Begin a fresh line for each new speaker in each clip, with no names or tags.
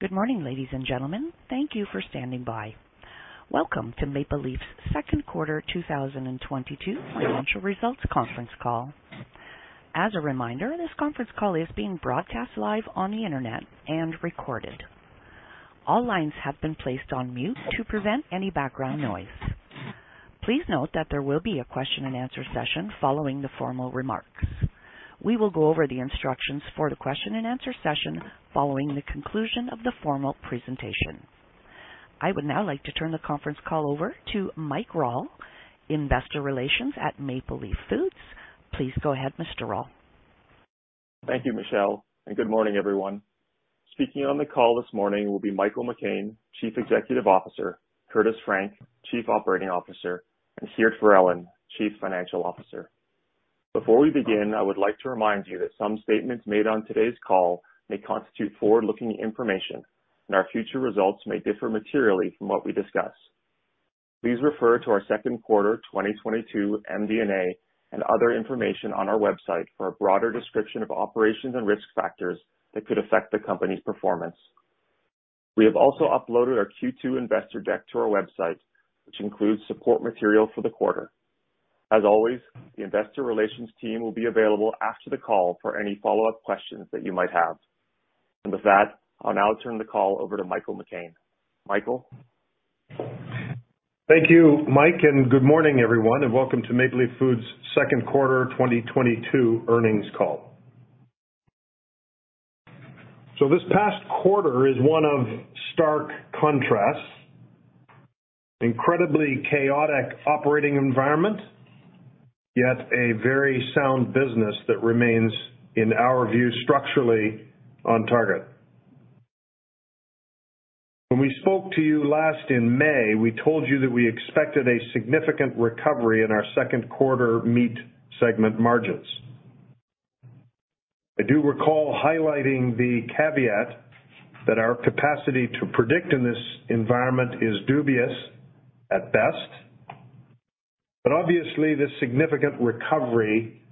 Good morning, ladies and gentlemen. Thank you for standing by. Welcome to Maple Leaf's second quarter 2022 financial results conference call. As a reminder, this conference call is being broadcast live on the Internet and recorded. All lines have been placed on mute to prevent any background noise. Please note that there will be a question and answer session following the formal remarks. We will go over the instructions for the question and answer session following the conclusion of the formal presentation. I would now like to turn the conference call over to Mike Rawle, investor relations at Maple Leaf Foods. Please go ahead, Mr. Rawle.
Thank you, Michelle, and good morning, everyone. Speaking on the call this morning will be Michael McCain, Chief Executive Officer, Curtis Frank, Chief Operating Officer, and Geert Verellen, Chief Financial Officer. Before we begin, I would like to remind you that some statements made on today's call may constitute forward-looking information, and our future results may differ materially from what we discuss. Please refer to our second quarter 2022 MD&A and other information on our website for a broader description of operations and risk factors that could affect the company's performance. We have also uploaded our Q2 investor deck to our website, which includes support material for the quarter. As always, the investor relations team will be available after the call for any follow-up questions that you might have. With that, I'll now turn the call over to Michael McCain. Michael?
Thank you, Mike, and good morning, everyone, and welcome to Maple Leaf Foods second quarter 2022 earnings call. This past quarter is one of stark contrasts, incredibly chaotic operating environment, yet a very sound business that remains, in our view, structurally on target. When we spoke to you last in May, we told you that we expected a significant recovery in our second quarter meat segment margins. I do recall highlighting the caveat that our capacity to predict in this environment is dubious at best, but obviously, this significant recovery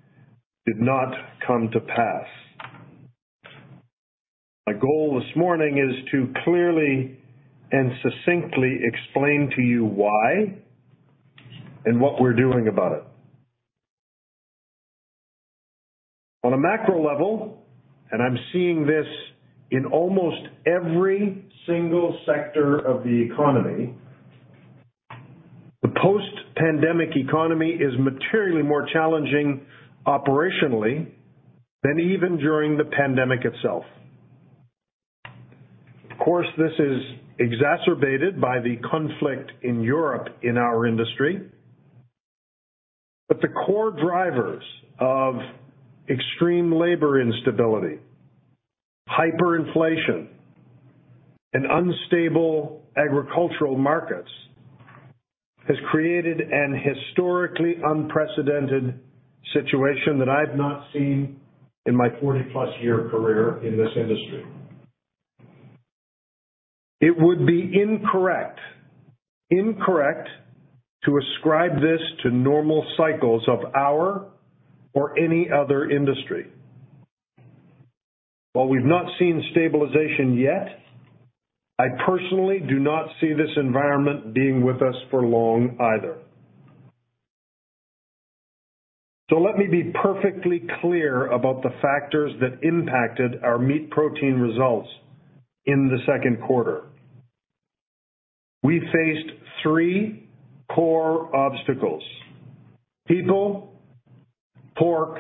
did not come to pass. My goal this morning is to clearly and succinctly explain to you why and what we're doing about it. On a macro level, and I'm seeing this in almost every single sector of the economy, the post-pandemic economy is materially more challenging operationally than even during the pandemic itself. Of course, this is exacerbated by the conflict in Europe in our industry, but the core drivers of extreme labor instability, hyperinflation, and unstable agricultural markets has created an historically unprecedented situation that I've not seen in my 40+ year career in this industry. It would be incorrect to ascribe this to normal cycles of our or any other industry. While we've not seen stabilization yet, I personally do not see this environment being with us for long either. Let me be perfectly clear about the factors that impacted our meat protein results in the second quarter. We faced three core obstacles, people, pork,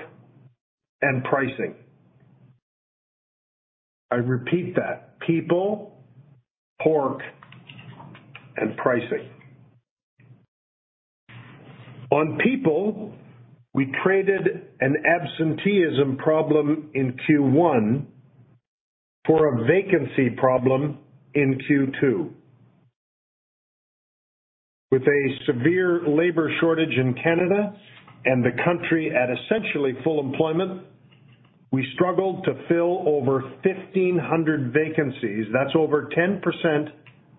and pricing. I repeat that, people, pork, and pricing. On people, we traded an absenteeism problem in Q1 for a vacancy problem in Q2. With a severe labor shortage in Canada and the country at essentially full employment, we struggled to fill over 1,500 vacancies. That's over 10%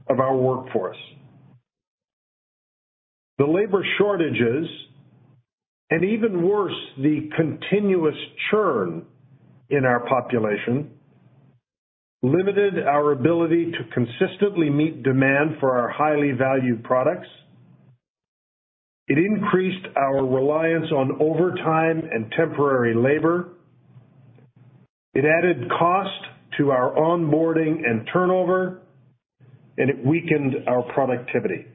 of our workforce. The labor shortages, and even worse, the continuous churn in our population, limited our ability to consistently meet demand for our highly valued products. It increased our reliance on overtime and temporary labor. It added cost to our onboarding and turnover, and it weakened our productivity.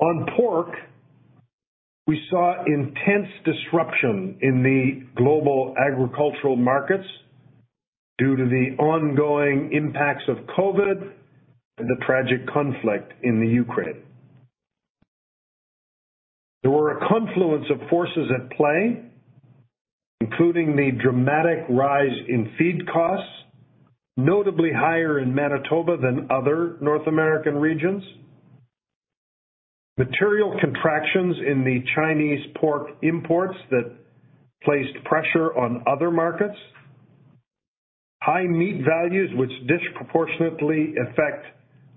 On pork, we saw intense disruption in the global agricultural markets due to the ongoing impacts of COVID and the tragic conflict in Ukraine. There were a confluence of forces at play, including the dramatic rise in feed costs, notably higher in Manitoba than other North American regions, material contractions in the Chinese pork imports that placed pressure on other markets. High meat values which disproportionately affect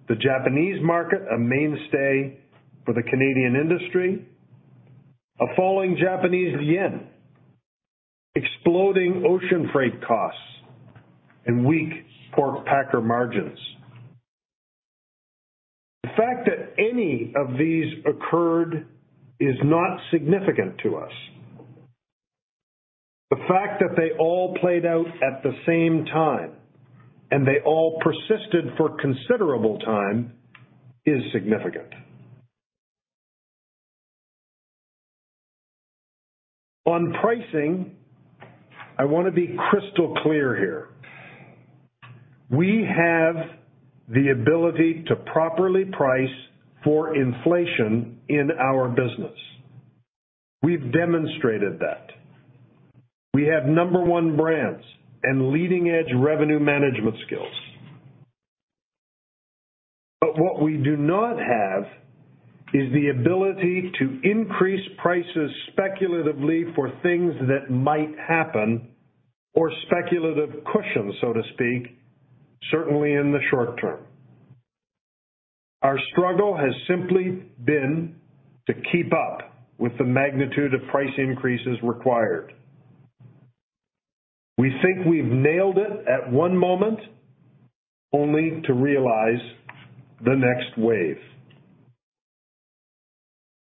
the Japanese market, a mainstay for the Canadian industry. A falling Japanese yen, exploding ocean freight costs and weak pork packer margins. The fact that any of these occurred is not significant to us. The fact that they all played out at the same time and they all persisted for considerable time is significant. On pricing, I wanna be crystal clear here. We have the ability to properly price for inflation in our business. We've demonstrated that. We have number one brands and leading-edge revenue management skills. What we do not have is the ability to increase prices speculatively for things that might happen or speculative cushion, so to speak, certainly in the short term. Our struggle has simply been to keep up with the magnitude of price increases required. We think we've nailed it at one moment, only to realize the next wave.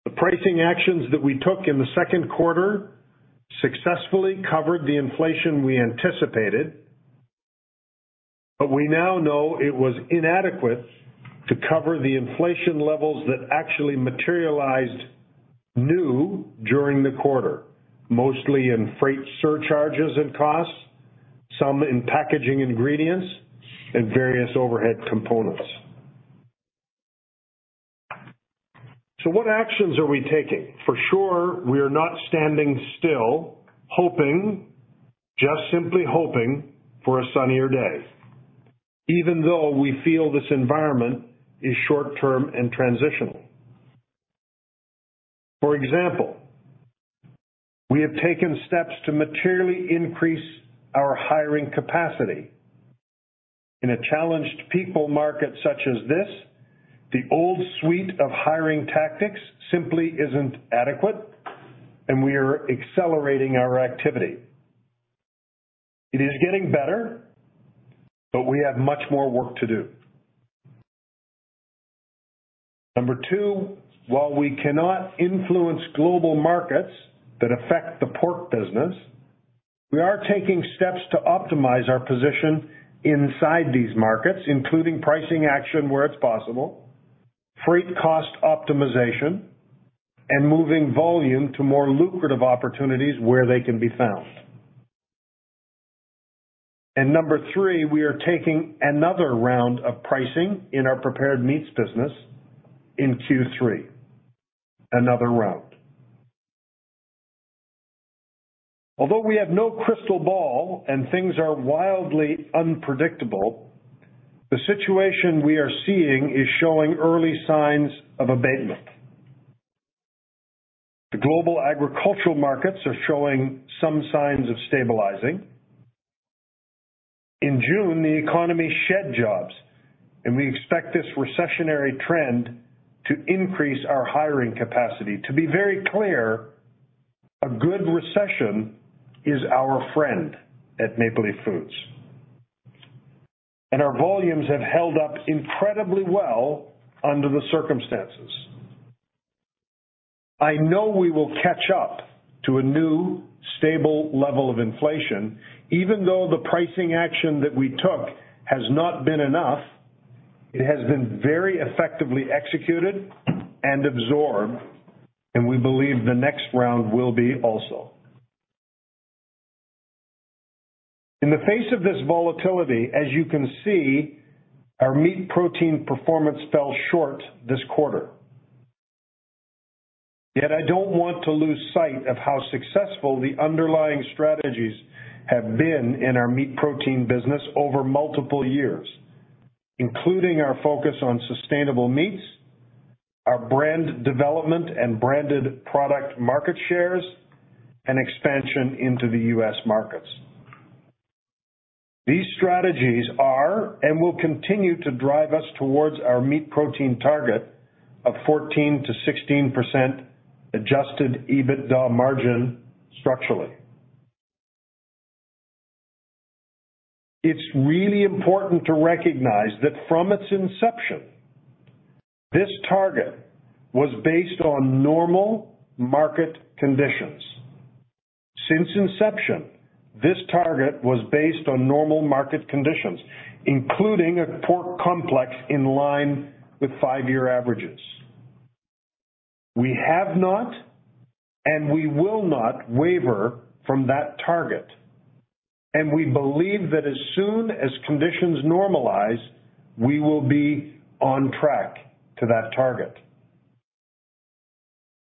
The pricing actions that we took in the second quarter successfully covered the inflation we anticipated, but we now know it was inadequate to cover the inflation levels that actually materialized new during the quarter. Mostly in freight surcharges and costs, some in packaging ingredients and various overhead components. What actions are we taking? For sure, we are not standing still, hoping, just simply hoping for a sunnier day, even though we feel this environment is short-term and transitional. For example, we have taken steps to materially increase our hiring capacity. In a challenged people market such as this, the old suite of hiring tactics simply isn't adequate, and we are accelerating our activity. It is getting better, but we have much more work to do. Number two, while we cannot influence global markets that affect the pork business, we are taking steps to optimize our position inside these markets, including pricing action where it's possible, freight cost optimization, and moving volume to more lucrative opportunities where they can be found. Number three, we are taking another round of pricing in our prepared meats business in Q3. Another round. Although we have no crystal ball and things are wildly unpredictable, the situation we are seeing is showing early signs of abatement. The global agricultural markets are showing some signs of stabilizing. In June, the economy shed jobs, and we expect this recessionary trend to increase our hiring capacity. To be very clear, a good recession is our friend at Maple Leaf Foods. Our volumes have held up incredibly well under the circumstances. I know we will catch up to a new stable level of inflation. Even though the pricing action that we took has not been enough, it has been very effectively executed and absorbed, and we believe the next round will be also. In the face of this volatility, as you can see, our meat protein performance fell short this quarter. Yet I don't want to lose sight of how successful the underlying strategies have been in our meat protein business over multiple years, including our focus on sustainable meats, our brand development and branded product market shares, and expansion into the U.S. markets. These strategies are and will continue to drive us towards our meat protein target of 14%-16% adjusted EBITDA margin structurally. It's really important to recognize that from its inception, this target was based on normal market conditions. Since inception, this target was based on normal market conditions, including a pork complex in line with five-year averages. We have not and we will not waver from that target, and we believe that as soon as conditions normalize, we will be on track to that target.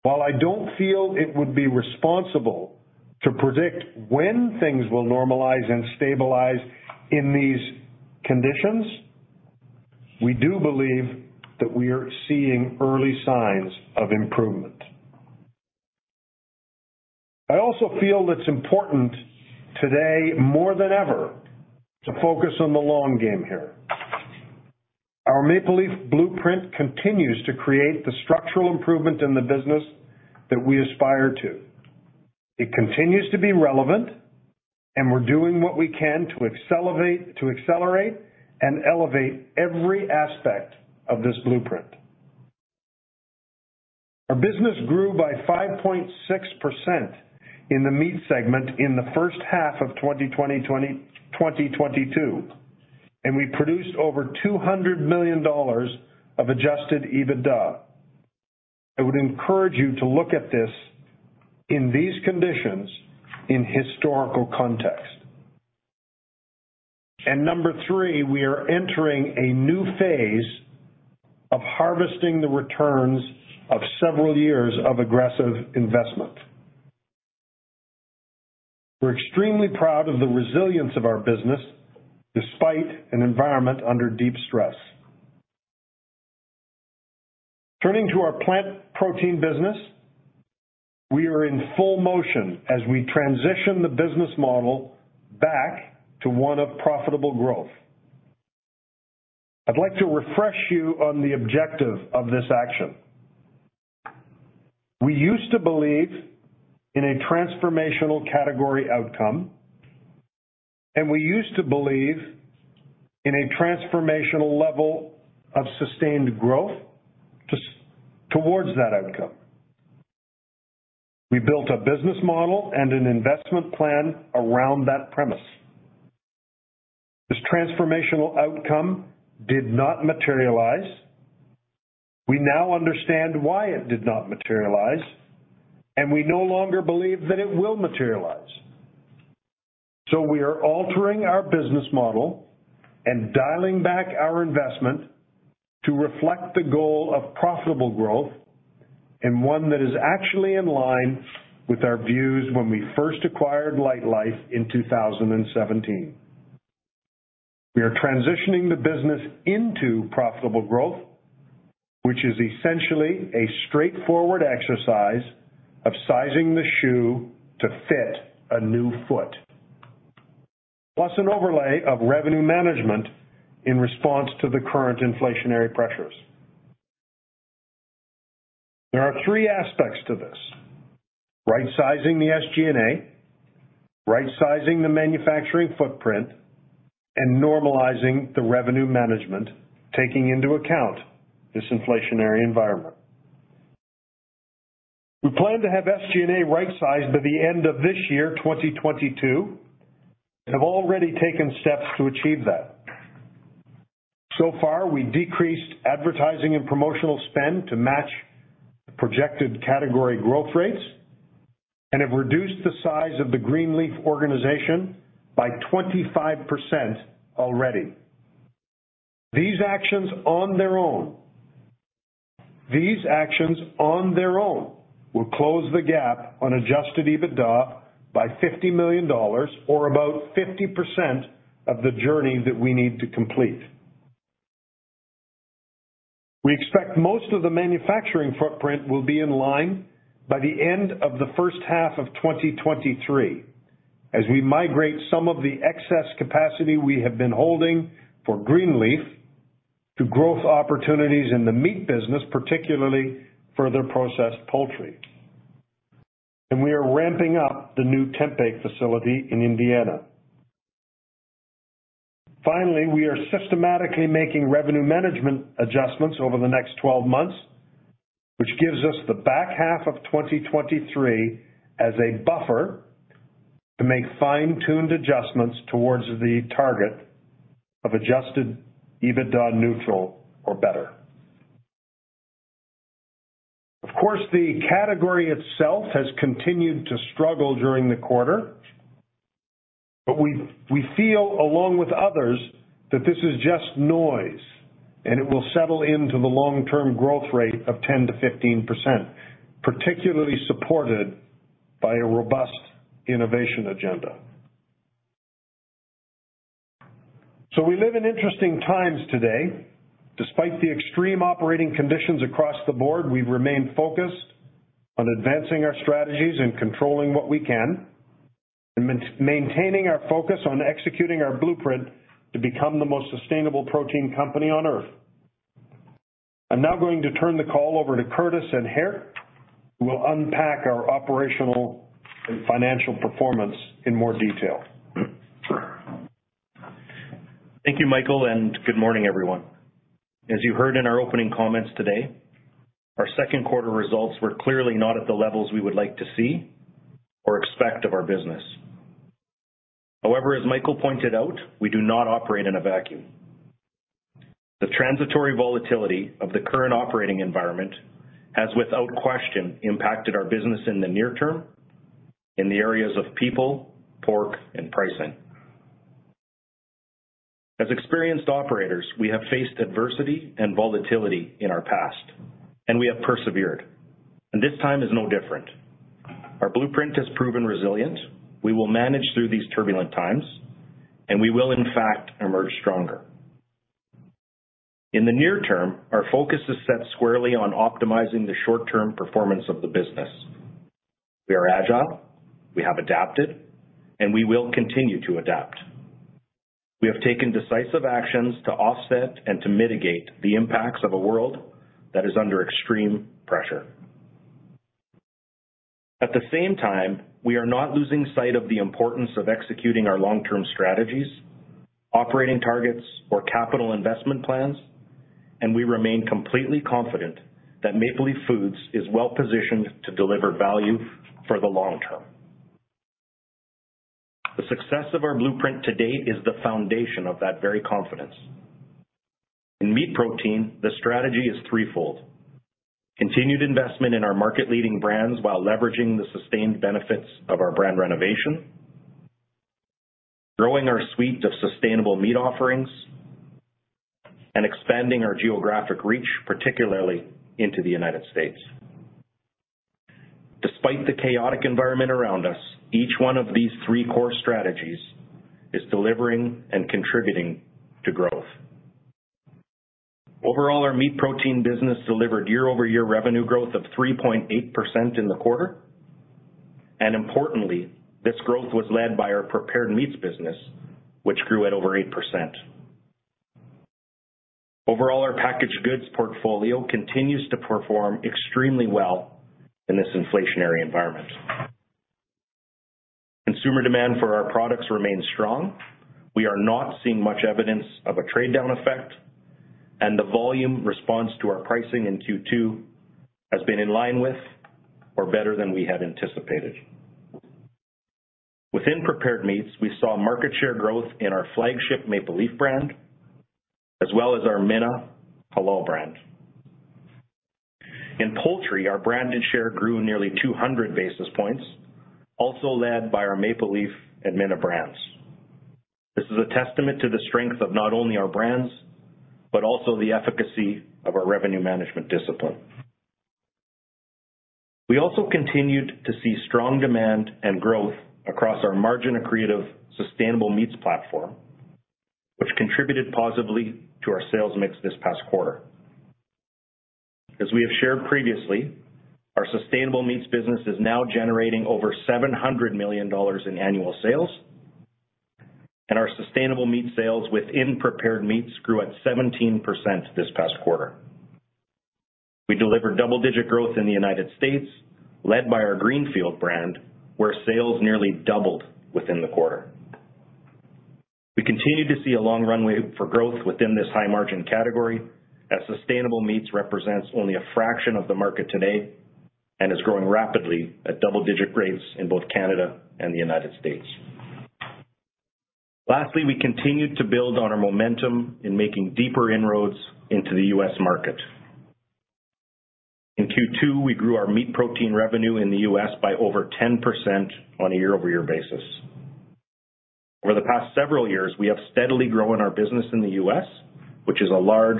While I don't feel it would be responsible to predict when things will normalize and stabilize in these conditions, we do believe that we are seeing early signs of improvement. I also feel it's important today, more than ever, to focus on the long game here. Our Maple Leaf Blueprint continues to create the structural improvement in the business that we aspire to. It continues to be relevant, and we're doing what we can to accelerate and elevate every aspect of this Blueprint. Our business grew by 5.6% in the meat segment in the first half of 2022, and we produced over 200 million dollars of adjusted EBITDA. I would encourage you to look at this in these conditions in historical context. Number three, we are entering a new phase of harvesting the returns of several years of aggressive investment. We're extremely proud of the resilience of our business, despite an environment under deep stress. Turning to our plant protein business, we are in full motion as we transition the business model back to one of profitable growth. I'd like to refresh you on the objective of this action. We used to believe in a transformational category outcome, and we used to believe in a transformational level of sustained growth towards that outcome. We built a business model and an investment plan around that premise. This transformational outcome did not materialize. We now understand why it did not materialize, and we no longer believe that it will materialize. We are altering our business model and dialing back our investment to reflect the goal of profitable growth and one that is actually in line with our views when we first acquired Lightlife in 2017. We are transitioning the business into profitable growth, which is essentially a straightforward exercise of sizing the shoe to fit a new foot, plus an overlay of revenue management in response to the current inflationary pressures. There are three aspects to this, rightsizing the SG&A, rightsizing the manufacturing footprint, and normalizing the revenue management, taking into account this inflationary environment. We plan to have SG&A rightsized by the end of this year, 2022, and have already taken steps to achieve that. So far, we decreased advertising and promotional spend to match the projected category growth rates and have reduced the size of the Greenleaf organization by 25% already. These actions on their own will close the gap on adjusted EBITDA by 50 million dollars or about 50% of the journey that we need to complete. We expect most of the manufacturing footprint will be in line by the end of the first half of 2023 as we migrate some of the excess capacity we have been holding for Greenleaf to growth opportunities in the meat business, particularly further processed poultry. We are ramping up the new Tempeh facility in Indiana. Finally, we are systematically making revenue management adjustments over the next 12 months, which gives us the back half of 2023 as a buffer to make fine-tuned adjustments towards the target of adjusted EBITDA neutral or better. Of course, the category itself has continued to struggle during the quarter, but we feel along with others that this is just noise and it will settle into the long-term growth rate of 10%-15%, particularly supported by a robust innovation agenda. We live in interesting times today. Despite the extreme operating conditions across the board, we've remained focused on advancing our strategies and controlling what we can and maintaining our focus on executing our Blueprint to become the most sustainable protein company on Earth. I'm now going to turn the call over to Curtis and Geert, who will unpack our operational and financial performance in more detail.
Thank you, Michael, and good morning, everyone. As you heard in our opening comments today, our second quarter results were clearly not at the levels we would like to see or expect of our business. However, as Michael pointed out, we do not operate in a vacuum. The transitory volatility of the current operating environment has without question impacted our business in the near term in the areas of people, pork, and pricing. As experienced operators, we have faced adversity and volatility in our past, and we have persevered, and this time is no different. Our Blueprint has proven resilient. We will manage through these turbulent times, and we will in fact emerge stronger. In the near term, our focus is set squarely on optimizing the short-term performance of the business. We are agile, we have adapted, and we will continue to adapt. We have taken decisive actions to offset and to mitigate the impacts of a world that is under extreme pressure. At the same time, we are not losing sight of the importance of executing our long-term strategies, operating targets or capital investment plans, and we remain completely confident that Maple Leaf Foods is well-positioned to deliver value for the long term. The success of our Blueprint to date is the foundation of that very confidence. In meat protein, the strategy is threefold. Continued investment in our market-leading brands while leveraging the sustained benefits of our brand renovation, growing our suite of sustainable meat offerings, and expanding our geographic reach, particularly into the United States. Despite the chaotic environment around us, each one of these three core strategies is delivering and contributing to growth. Overall, our meat protein business delivered year-over-year revenue growth of 3.8% in the quarter. Importantly, this growth was led by our prepared meats business, which grew at over 8%. Overall, our packaged goods portfolio continues to perform extremely well in this inflationary environment. Consumer demand for our products remains strong. We are not seeing much evidence of a trade-down effect, and the volume response to our pricing in Q2 has been in line with or better than we had anticipated. Within prepared meats, we saw market share growth in our flagship Maple Leaf brand, as well as our Mina Halal brand. In poultry, our branded share grew nearly 200 basis points, also led by our Maple Leaf and Mina brands. This is a testament to the strength of not only our brands, but also the efficacy of our revenue management discipline. We also continued to see strong demand and growth across our margin accretive sustainable meats platform, which contributed positively to our sales mix this past quarter. As we have shared previously, our sustainable meats business is now generating over 700 million dollars in annual sales, and our sustainable meat sales within prepared meats grew at 17% this past quarter. We delivered double-digit growth in the United States, led by our Greenfield brand, where sales nearly doubled within the quarter. We continue to see a long runway for growth within this high margin category as sustainable meats represents only a fraction of the market today and is growing rapidly at double-digit rates in both Canada and the United States. Lastly, we continued to build on our momentum in making deeper inroads into the U.S. market. In Q2, we grew our meat protein revenue in the U.S. by over 10% on a year-over-year basis. Over the past several years, we have steadily grown our business in the U.S., which is a large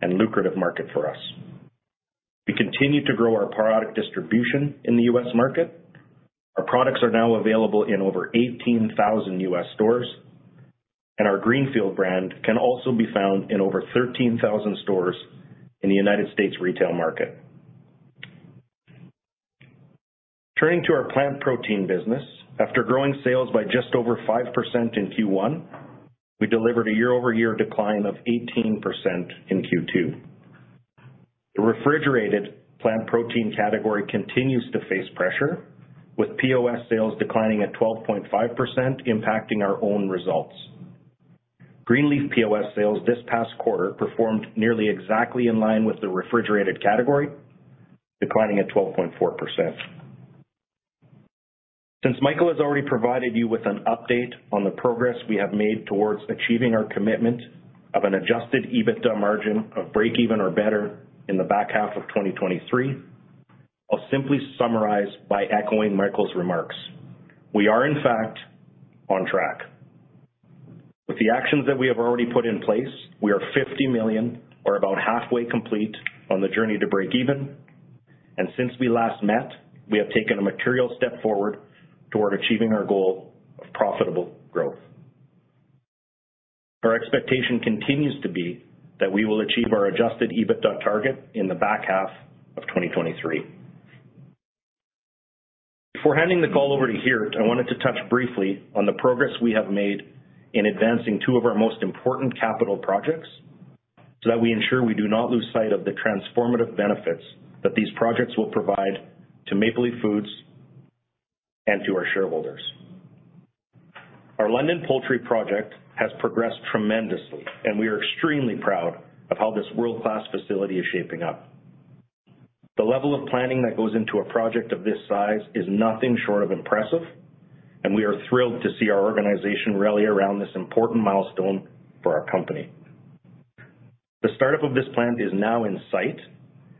and lucrative market for us. We continue to grow our product distribution in the U.S. market. Our products are now available in over 18,000 U.S. stores, and our Greenfield brand can also be found in over 13,000 stores in the United States retail market. Turning to our plant protein business. After growing sales by just over 5% in Q1, we delivered a year-over-year decline of 18% in Q2. The refrigerated plant protein category continues to face pressure, with POS sales declining at 12.5% impacting our own results. Greenleaf POS sales this past quarter performed nearly exactly in line with the refrigerated category, declining 12.4%. Since Michael has already provided you with an update on the progress we have made towards achieving our commitment of an adjusted EBITDA margin of break even or better in the back half of 2023, I'll simply summarize by echoing Michael's remarks. We are in fact on track. With the actions that we have already put in place, we are 50 million or about halfway complete on the journey to break even. Since we last met, we have taken a material step forward toward achieving our goal of profitable growth. Our expectation continues to be that we will achieve our adjusted EBITDA target in the back half of 2023. Before handing the call over to Geert, I wanted to touch briefly on the progress we have made in advancing two of our most important capital projects so that we ensure we do not lose sight of the transformative benefits that these projects will provide to Maple Leaf Foods and to our shareholders. Our London Poultry project has progressed tremendously, and we are extremely proud of how this world-class facility is shaping up. The level of planning that goes into a project of this size is nothing short of impressive, and we are thrilled to see our organization rally around this important milestone for our company. The startup of this plant is now in sight,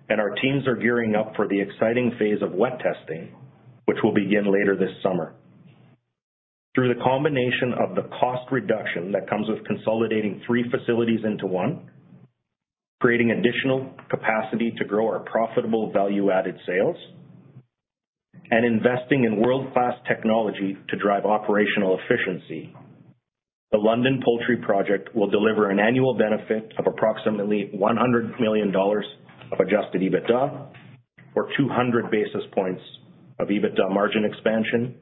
and our teams are gearing up for the exciting phase of wet testing, which will begin later this summer. Through the combination of the cost reduction that comes with consolidating three facilities into one, creating additional capacity to grow our profitable value-added sales and investing in world-class technology to drive operational efficiency. The London Poultry project will deliver an annual benefit of approximately 100 million dollars of adjusted EBITDA or 200 basis points of EBITDA margin expansion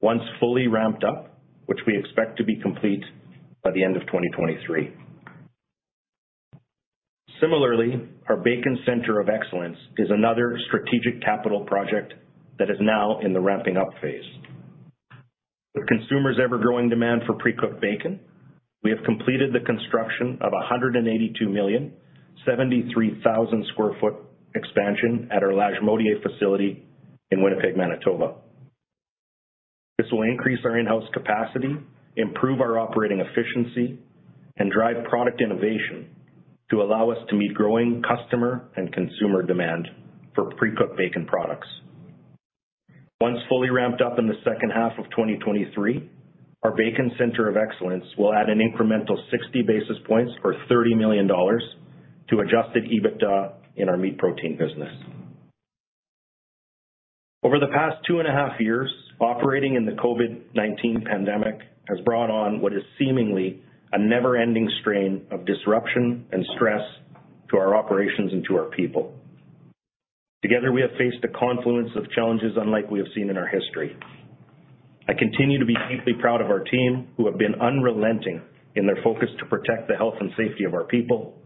once fully ramped up, which we expect to be complete by the end of 2023. Similarly, our Bacon Centre of Excellence is another strategic capital project that is now in the ramping up phase. With consumers' ever-growing demand for pre-cooked bacon, we have completed the construction of a 182,073,000 sq ft expansion at our Lagimodiere facility in Winnipeg, Manitoba. This will increase our in-house capacity, improve our operating efficiency, and drive product innovation to allow us to meet growing customer and consumer demand for pre-cooked bacon products. Once fully ramped up in the second half of 2023, our Bacon Centre of Excellence will add an incremental 60 basis points or 30 million dollars to adjusted EBITDA in our meat protein business. Over the past 2.5 years, operating in the COVID-19 pandemic has brought on what is seemingly a never-ending strain of disruption and stress to our operations and to our people. Together, we have faced a confluence of challenges unlike we have seen in our history. I continue to be deeply proud of our team who have been unrelenting in their focus to protect the health and safety of our people,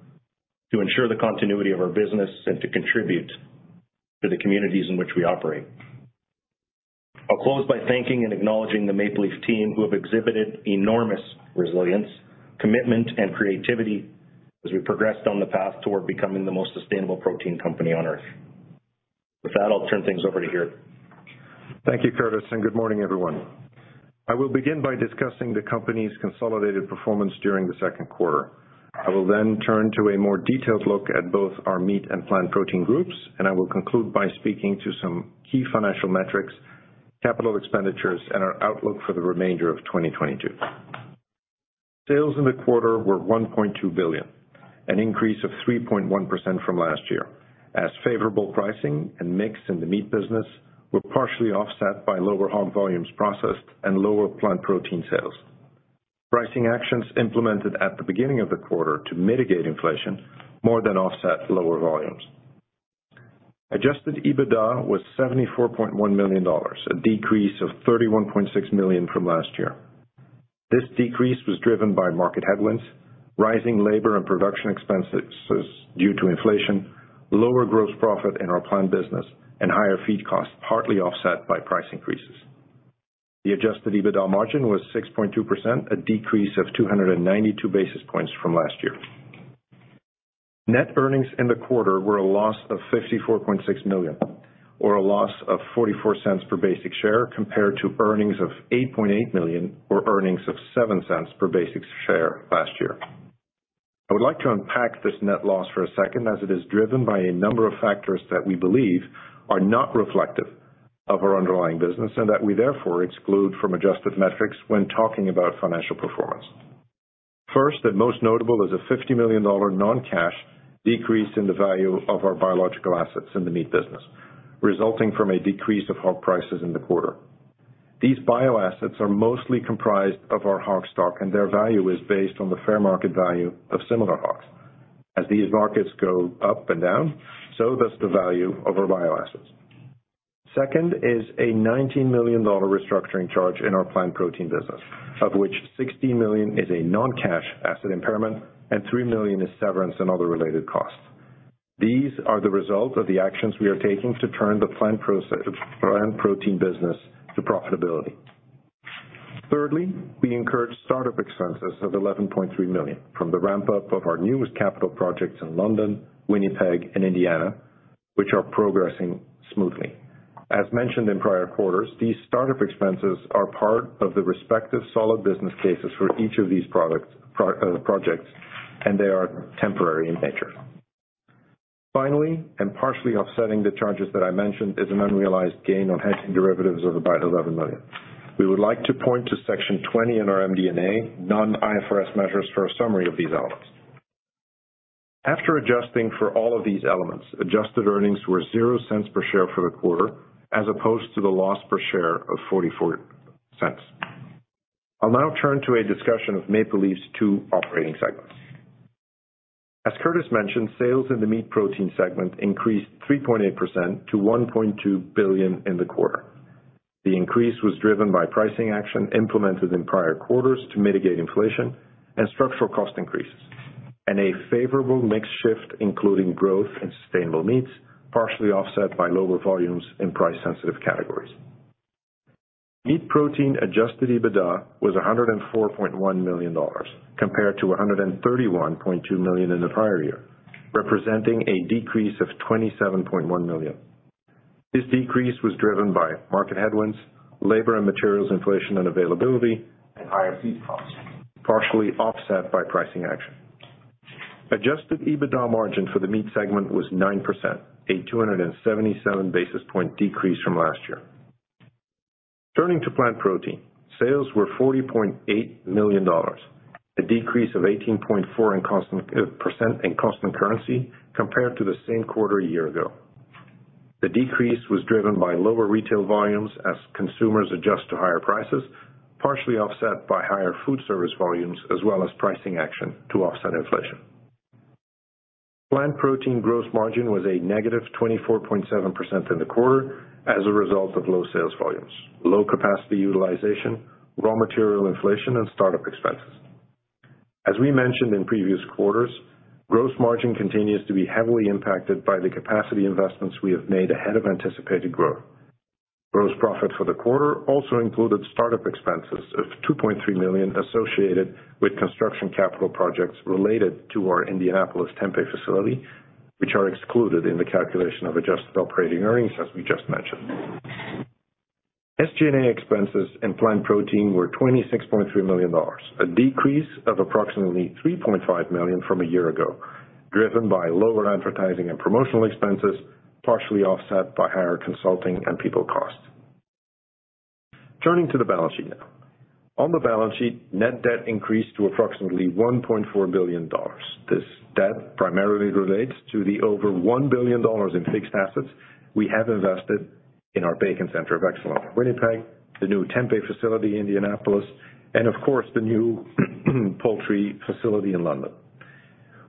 to ensure the continuity of our business, and to contribute to the communities in which we operate. I'll close by thanking and acknowledging the Maple Leaf team who have exhibited enormous resilience, commitment, and creativity as we progressed on the path toward becoming the most sustainable protein company on Earth. With that, I'll turn things over to Geert.
Thank you, Curtis, and good morning, everyone. I will begin by discussing the company's consolidated performance during the second quarter. I will then turn to a more detailed look at both our meat and plant protein groups, and I will conclude by speaking to some key financial metrics, capital expenditures, and our outlook for the remainder of 2022. Sales in the quarter were 1.2 billion, an increase of 3.1% from last year, as favorable pricing and mix in the meat business were partially offset by lower hog volumes processed and lower plant protein sales. Pricing actions implemented at the beginning of the quarter to mitigate inflation more than offset lower volumes. Adjusted EBITDA was 74.1 million dollars, a decrease of 31.6 million from last year. This decrease was driven by market headwinds, rising labor and production expenses due to inflation, lower gross profit in our plant business, and higher feed costs, partly offset by price increases. The adjusted EBITDA margin was 6.2%, a decrease of 292 basis points from last year. Net earnings in the quarter were a loss of 54.6 million or a loss of 0.44 per basic share, compared to earnings of 8.8 million or earnings of 0.07 per basic share last year. I would like to unpack this net loss for a second as it is driven by a number of factors that we believe are not reflective of our underlying business and that we therefore exclude from adjusted metrics when talking about financial performance. First and most notable is a 50 million dollar non-cash decrease in the value of our biological assets in the meat business, resulting from a decrease of hog prices in the quarter. These bio-assets are mostly comprised of our hog stock, and their value is based on the fair market value of similar hogs. As these markets go up and down, so does the value of our bio-assets. Second is a CAD 19 million restructuring charge in our plant protein business, of which CAD 16 million is a non-cash asset impairment and CAD 3 million is severance and other related costs. These are the result of the actions we are taking to turn the plant protein business to profitability. Thirdly, we incurred startup expenses of 11.3 million from the ramp-up of our newest capital projects in London, Winnipeg, and Indiana, which are progressing smoothly. As mentioned in prior quarters, these startup expenses are part of the respective solid business cases for each of these products, projects, and they are temporary in nature. Finally, and partially offsetting the charges that I mentioned, is an unrealized gain on hedging derivatives of about 11 million. We would like to point to Section 20 in our MD&A, Non-IFRS Measures for a summary of these elements. After adjusting for all of these elements, adjusted earnings were 0.00 per share for the quarter, as opposed to the loss per share of 0.44. I'll now turn to a discussion of Maple Leaf's two operating segments. As Curtis mentioned, sales in the meat protein segment increased 3.8% to 1.2 billion in the quarter. The increase was driven by pricing action implemented in prior quarters to mitigate inflation and structural cost increases, and a favorable mix shift, including growth in sustainable meats, partially offset by lower volumes in price-sensitive categories. Meat protein adjusted EBITDA was 104.1 million dollars, compared to 131.2 million in the prior year, representing a decrease of 27.1 million. This decrease was driven by market headwinds, labor and materials inflation and availability, and higher feed costs, partially offset by pricing action. Adjusted EBITDA margin for the meat segment was 9%, a 277 basis point decrease from last year. Turning to plant protein. Sales were 40.8 million dollars, a decrease of 18.4% in constant currency compared to the same quarter a year ago. The decrease was driven by lower retail volumes as consumers adjust to higher prices, partially offset by higher food service volumes as well as pricing action to offset inflation. Plant protein gross margin was -24.7% in the quarter as a result of low sales volumes, low capacity utilization, raw material inflation and start-up expenses. As we mentioned in previous quarters, gross margin continues to be heavily impacted by the capacity investments we have made ahead of anticipated growth. Gross profit for the quarter also included start-up expenses of 2.3 million associated with construction capital projects related to our Indianapolis Tempeh facility, which are excluded in the calculation of adjusted operating earnings, as we just mentioned. SG&A expenses and plant protein were 26.3 million dollars, a decrease of approximately 3.5 million from a year ago, driven by lower advertising and promotional expenses, partially offset by higher consulting and people costs. Turning to the balance sheet now. On the balance sheet, net debt increased to approximately 1.4 billion dollars. This debt primarily relates to the over 1 billion dollars in fixed assets we have invested in our Bacon Centre of Excellence, Winnipeg, the new Tempeh facility, Indianapolis, and of course, the new poultry facility in London.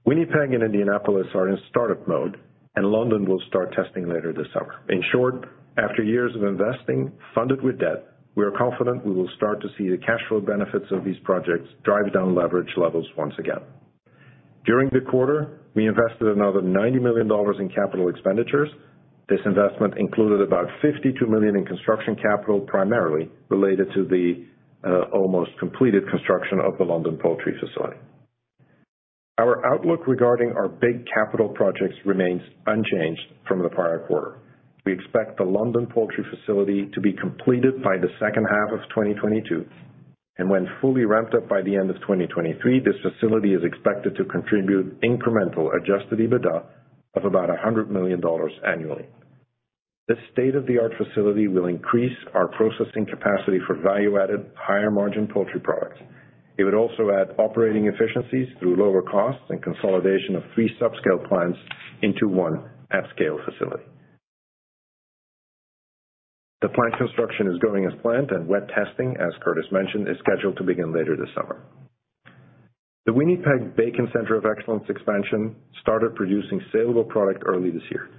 Winnipeg and Indianapolis are in start-up mode, and London will start testing later this summer. In short, after years of investing funded with debt, we are confident we will start to see the cash flow benefits of these projects drive down leverage levels once again. During the quarter, we invested another 90 million dollars in capital expenditures. This investment included about 52 million in construction capital, primarily related to the almost completed construction of the London poultry facility. Our outlook regarding our big capital projects remains unchanged from the prior quarter. We expect the London poultry facility to be completed by the second half of 2022. When fully ramped up by the end of 2023, this facility is expected to contribute incremental adjusted EBITDA of about 100 million dollars annually. This state-of-the-art facility will increase our processing capacity for value-added higher margin poultry products. It would also add operating efficiencies through lower costs and consolidation of three subscale plants into one at scale facility. The plant construction is going as planned and wet testing, as Curtis mentioned, is scheduled to begin later this summer. The Winnipeg Bacon Centre of Excellence expansion started producing saleable product early this year.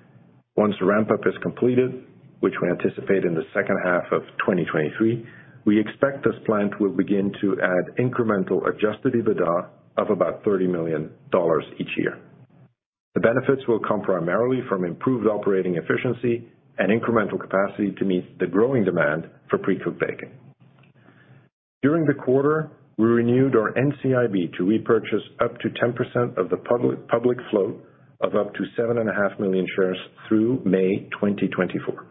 Once the ramp up is completed, which we anticipate in the second half of 2023, we expect this plant will begin to add incremental adjusted EBITDA of about 30 million dollars each year. The benefits will come primarily from improved operating efficiency and incremental capacity to meet the growing demand for pre-cooked bacon. During the quarter, we renewed our NCIB to repurchase up to 10% of the public float of up to 7.5 million shares through May 2024.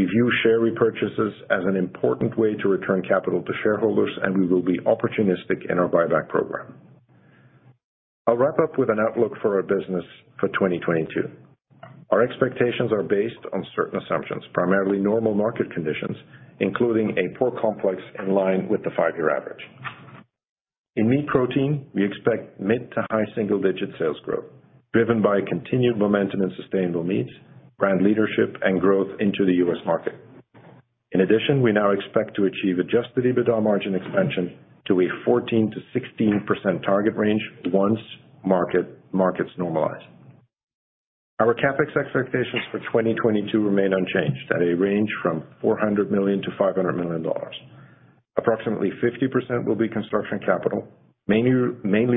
We view share repurchases as an important way to return capital to shareholders, and we will be opportunistic in our buyback program. I'll wrap up with an outlook for our business for 2022. Our expectations are based on certain assumptions, primarily normal market conditions, including a pork complex in line with the five-year average. In meat protein, we expect mid- to high single-digit sales growth driven by continued momentum and sustainable meats, brand leadership and growth into the U.S. market. In addition, we now expect to achieve adjusted EBITDA margin expansion to a 14%-16% target range once markets normalize. Our CapEx expectations for 2022 remain unchanged at a range from 400 million-500 million dollars. Approximately 50% will be construction capital, mainly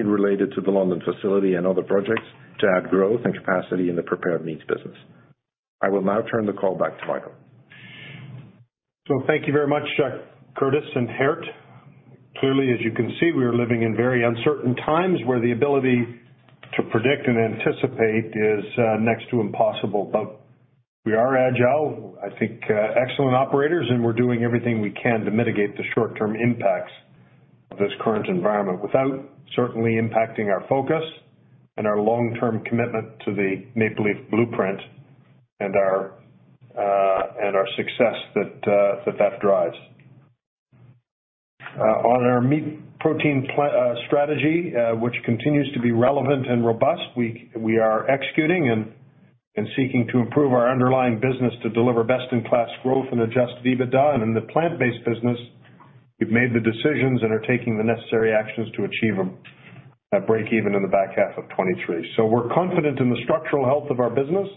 related to the London facility and other projects to add growth and capacity in the prepared meats business. I will now turn the call back to Michael.
Thank you very much, Curtis and Geert. Clearly, as you can see, we are living in very uncertain times where the ability to predict and anticipate is next to impossible. We are agile, I think, excellent operators, and we're doing everything we can to mitigate the short-term impacts of this current environment without certainly impacting our focus and our long-term commitment to the Maple Leaf Blueprint and our success that drives. On our meat protein strategy, which continues to be relevant and robust, we are executing and seeking to improve our underlying business to deliver best-in-class growth and adjusted EBITDA. In the plant-based business, we've made the decisions and are taking the necessary actions to achieve a breakeven in the back half of 2023. We're confident in the structural health of our business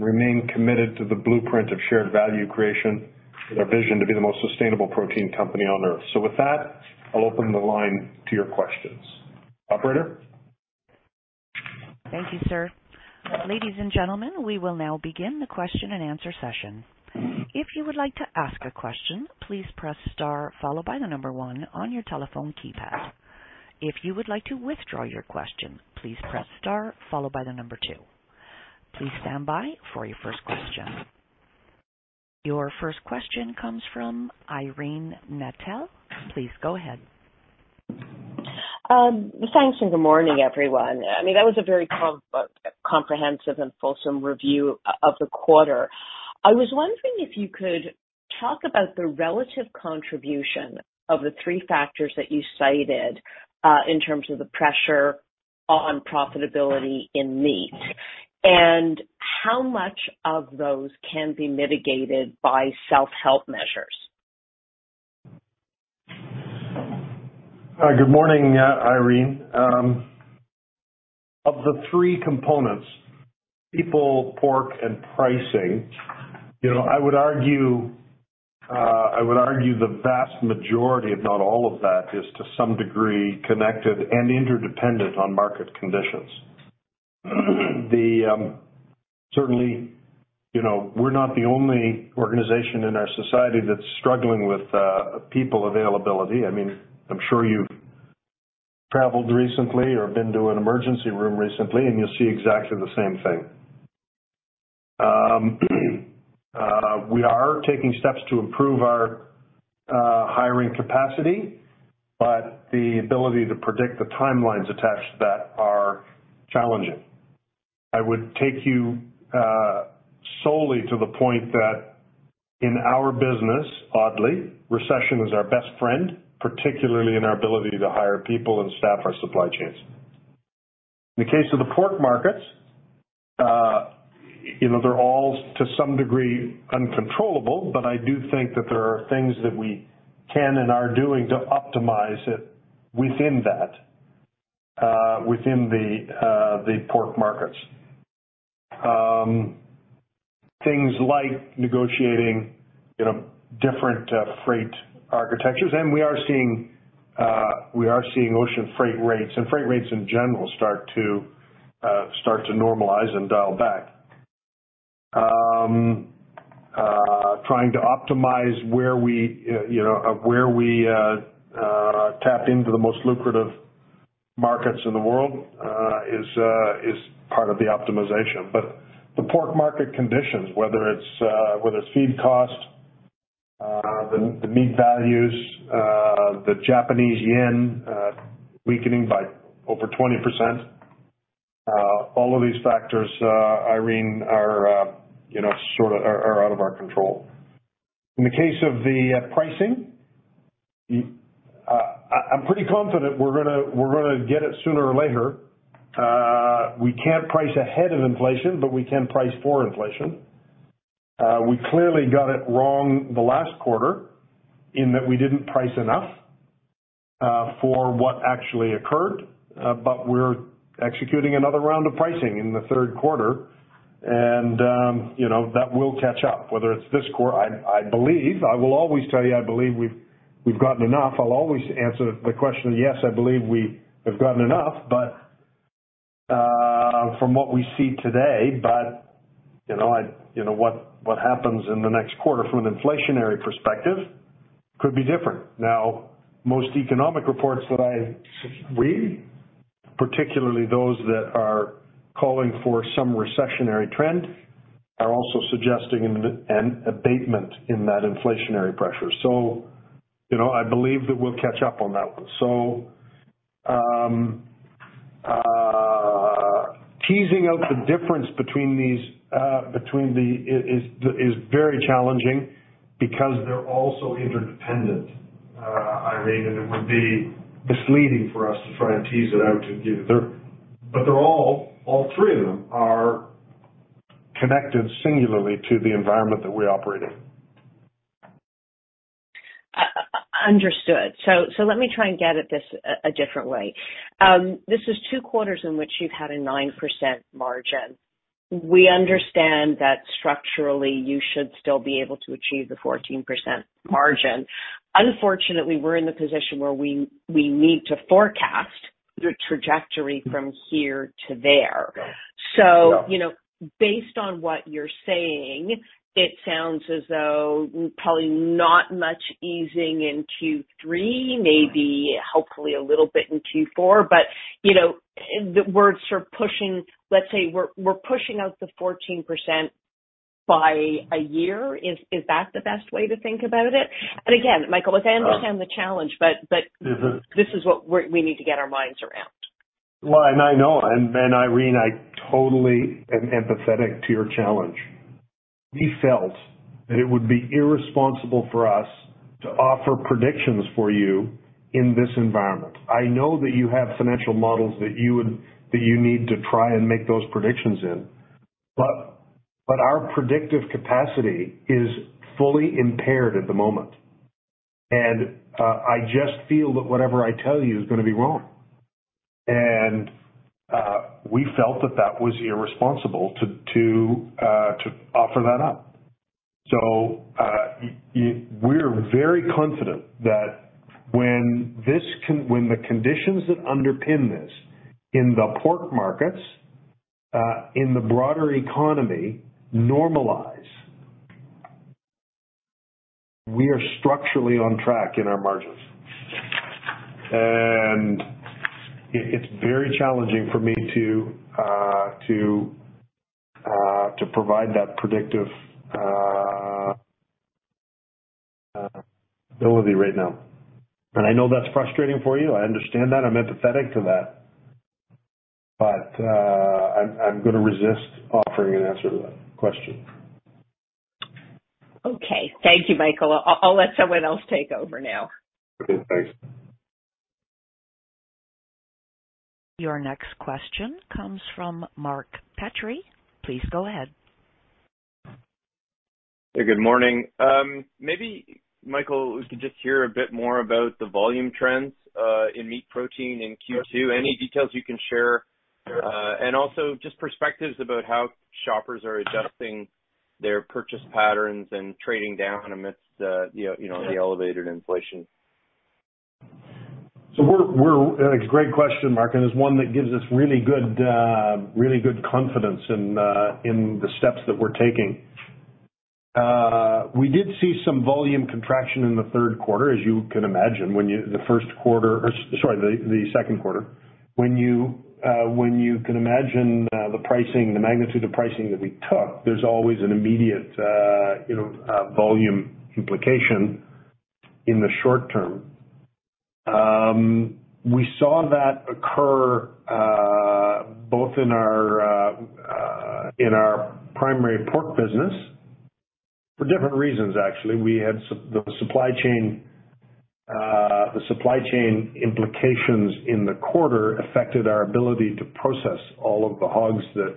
and remain committed to the blueprint of shared value creation and our vision to be the most sustainable protein company on Earth. With that, I'll open the line to your questions. Operator?
Thank you, sir. Ladies and gentlemen, we will now begin the question and answer session. If you would like to ask a question, please press star followed by the number one on your telephone keypad. If you would like to withdraw your question, please press star followed by the number two. Please stand by for your first question. Your first question comes from Irene Nattel. Please go ahead.
Thanks and good morning, everyone. I mean, that was a very comprehensive and fulsome review of the quarter. I was wondering if you could talk about the relative contribution of the three factors that you cited in terms of the pressure on profitability in meat, and how much of those can be mitigated by self-help measures?
Good morning, Irene. Of the three components, people, pork, and pricing, you know, I would argue the vast majority, if not all of that, is to some degree connected and interdependent on market conditions. Certainly, you know, we're not the only organization in our society that's struggling with people availability. I mean, I'm sure you've traveled recently or been to an emergency room recently, and you'll see exactly the same thing. We are taking steps to improve our hiring capacity, but the ability to predict the timelines attached to that are challenging. I would take you solely to the point that in our business, oddly, recession is our best friend, particularly in our ability to hire people and staff our supply chains. In the case of the pork markets, you know, they're all to some degree uncontrollable, but I do think that there are things that we can and are doing to optimize it within that, within the pork markets. Things like negotiating, you know, different freight architectures. We are seeing ocean freight rates and freight rates in general start to normalize and dial back. Trying to optimize where we tap into the most lucrative markets in the world is part of the optimization. But the pork market conditions, whether it's feed cost, the meat values, the Japanese yen weakening by over 20%. All of these factors, Irene, you know, sort of are out of our control. In the case of the pricing, I'm pretty confident we're gonna get it sooner or later. We can't price ahead of inflation, but we can price for inflation. We clearly got it wrong the last quarter in that we didn't price enough for what actually occurred. We're executing another round of pricing in the third quarter. You know, that will catch up, whether it's this quarter, I believe. I will always tell you I believe we've gotten enough. I'll always answer the question, yes, I believe we have gotten enough. From what we see today, you know, you know what happens in the next quarter from an inflationary perspective could be different. Now, most economic reports that I read, particularly those that are calling for some recessionary trend, are also suggesting an abatement in that inflationary pressure. You know, I believe that we'll catch up on that one. Teasing out the difference between these is very challenging because they're all so interdependent, Irene, and it would be misleading for us to try and tease it out to you. They're all three of them are connected singularly to the environment that we operate in.
Understood. Let me try and get at this a different way. This is two quarters in which you've had a 9% margin. We understand that structurally you should still be able to achieve the 14% margin. Unfortunately, we're in the position where we need to forecast your trajectory from here to there.
Yeah.
You know, based on what you're saying, it sounds as though probably not much easing in Q3, maybe hopefully a little bit in Q4, but, you know, the worst are pushing. Let's say we're pushing out the 14% by a year. Is that the best way to think about it? Again, Michael, look, I understand the challenge, but.
Mm-hmm.
This is what we need to get our minds around.
I know. And Irene, I totally am empathetic to your challenge. We felt that it would be irresponsible for us to offer predictions for you in this environment. I know that you have financial models that you would, that you need to try and make those predictions in, but our predictive capacity is fully impaired at the moment. I just feel that whatever I tell you is gonna be wrong. We felt that that was irresponsible to offer that up. We're very confident that when the conditions that underpin this in the pork markets, in the broader economy normalize, we are structurally on track in our margins. It's very challenging for me to provide that predictive. It will be right now. I know that's frustrating for you. I understand that. I'm empathetic to that. But, I'm gonna resist offering an answer to that question.
Okay. Thank you, Michael. I'll let someone else take over now.
Okay, thanks.
Your next question comes from Mark Petrie. Please go ahead.
Good morning. Maybe Michael, if we could just hear a bit more about the volume trends in meat protein in Q2. Any details you can share? Also just perspectives about how shoppers are adjusting their purchase patterns and trading down amidst the, you know, the elevated inflation.
Great question, Mark, and it's one that gives us really good confidence in the steps that we're taking. We did see some volume contraction in the third quarter, as you can imagine, the second quarter. When you can imagine the pricing, the magnitude of pricing that we took, there's always an immediate, you know, volume implication in the short term. We saw that occur both in our primary pork business for different reasons, actually. We had some supply chain implications in the quarter affected our ability to process all of the hogs that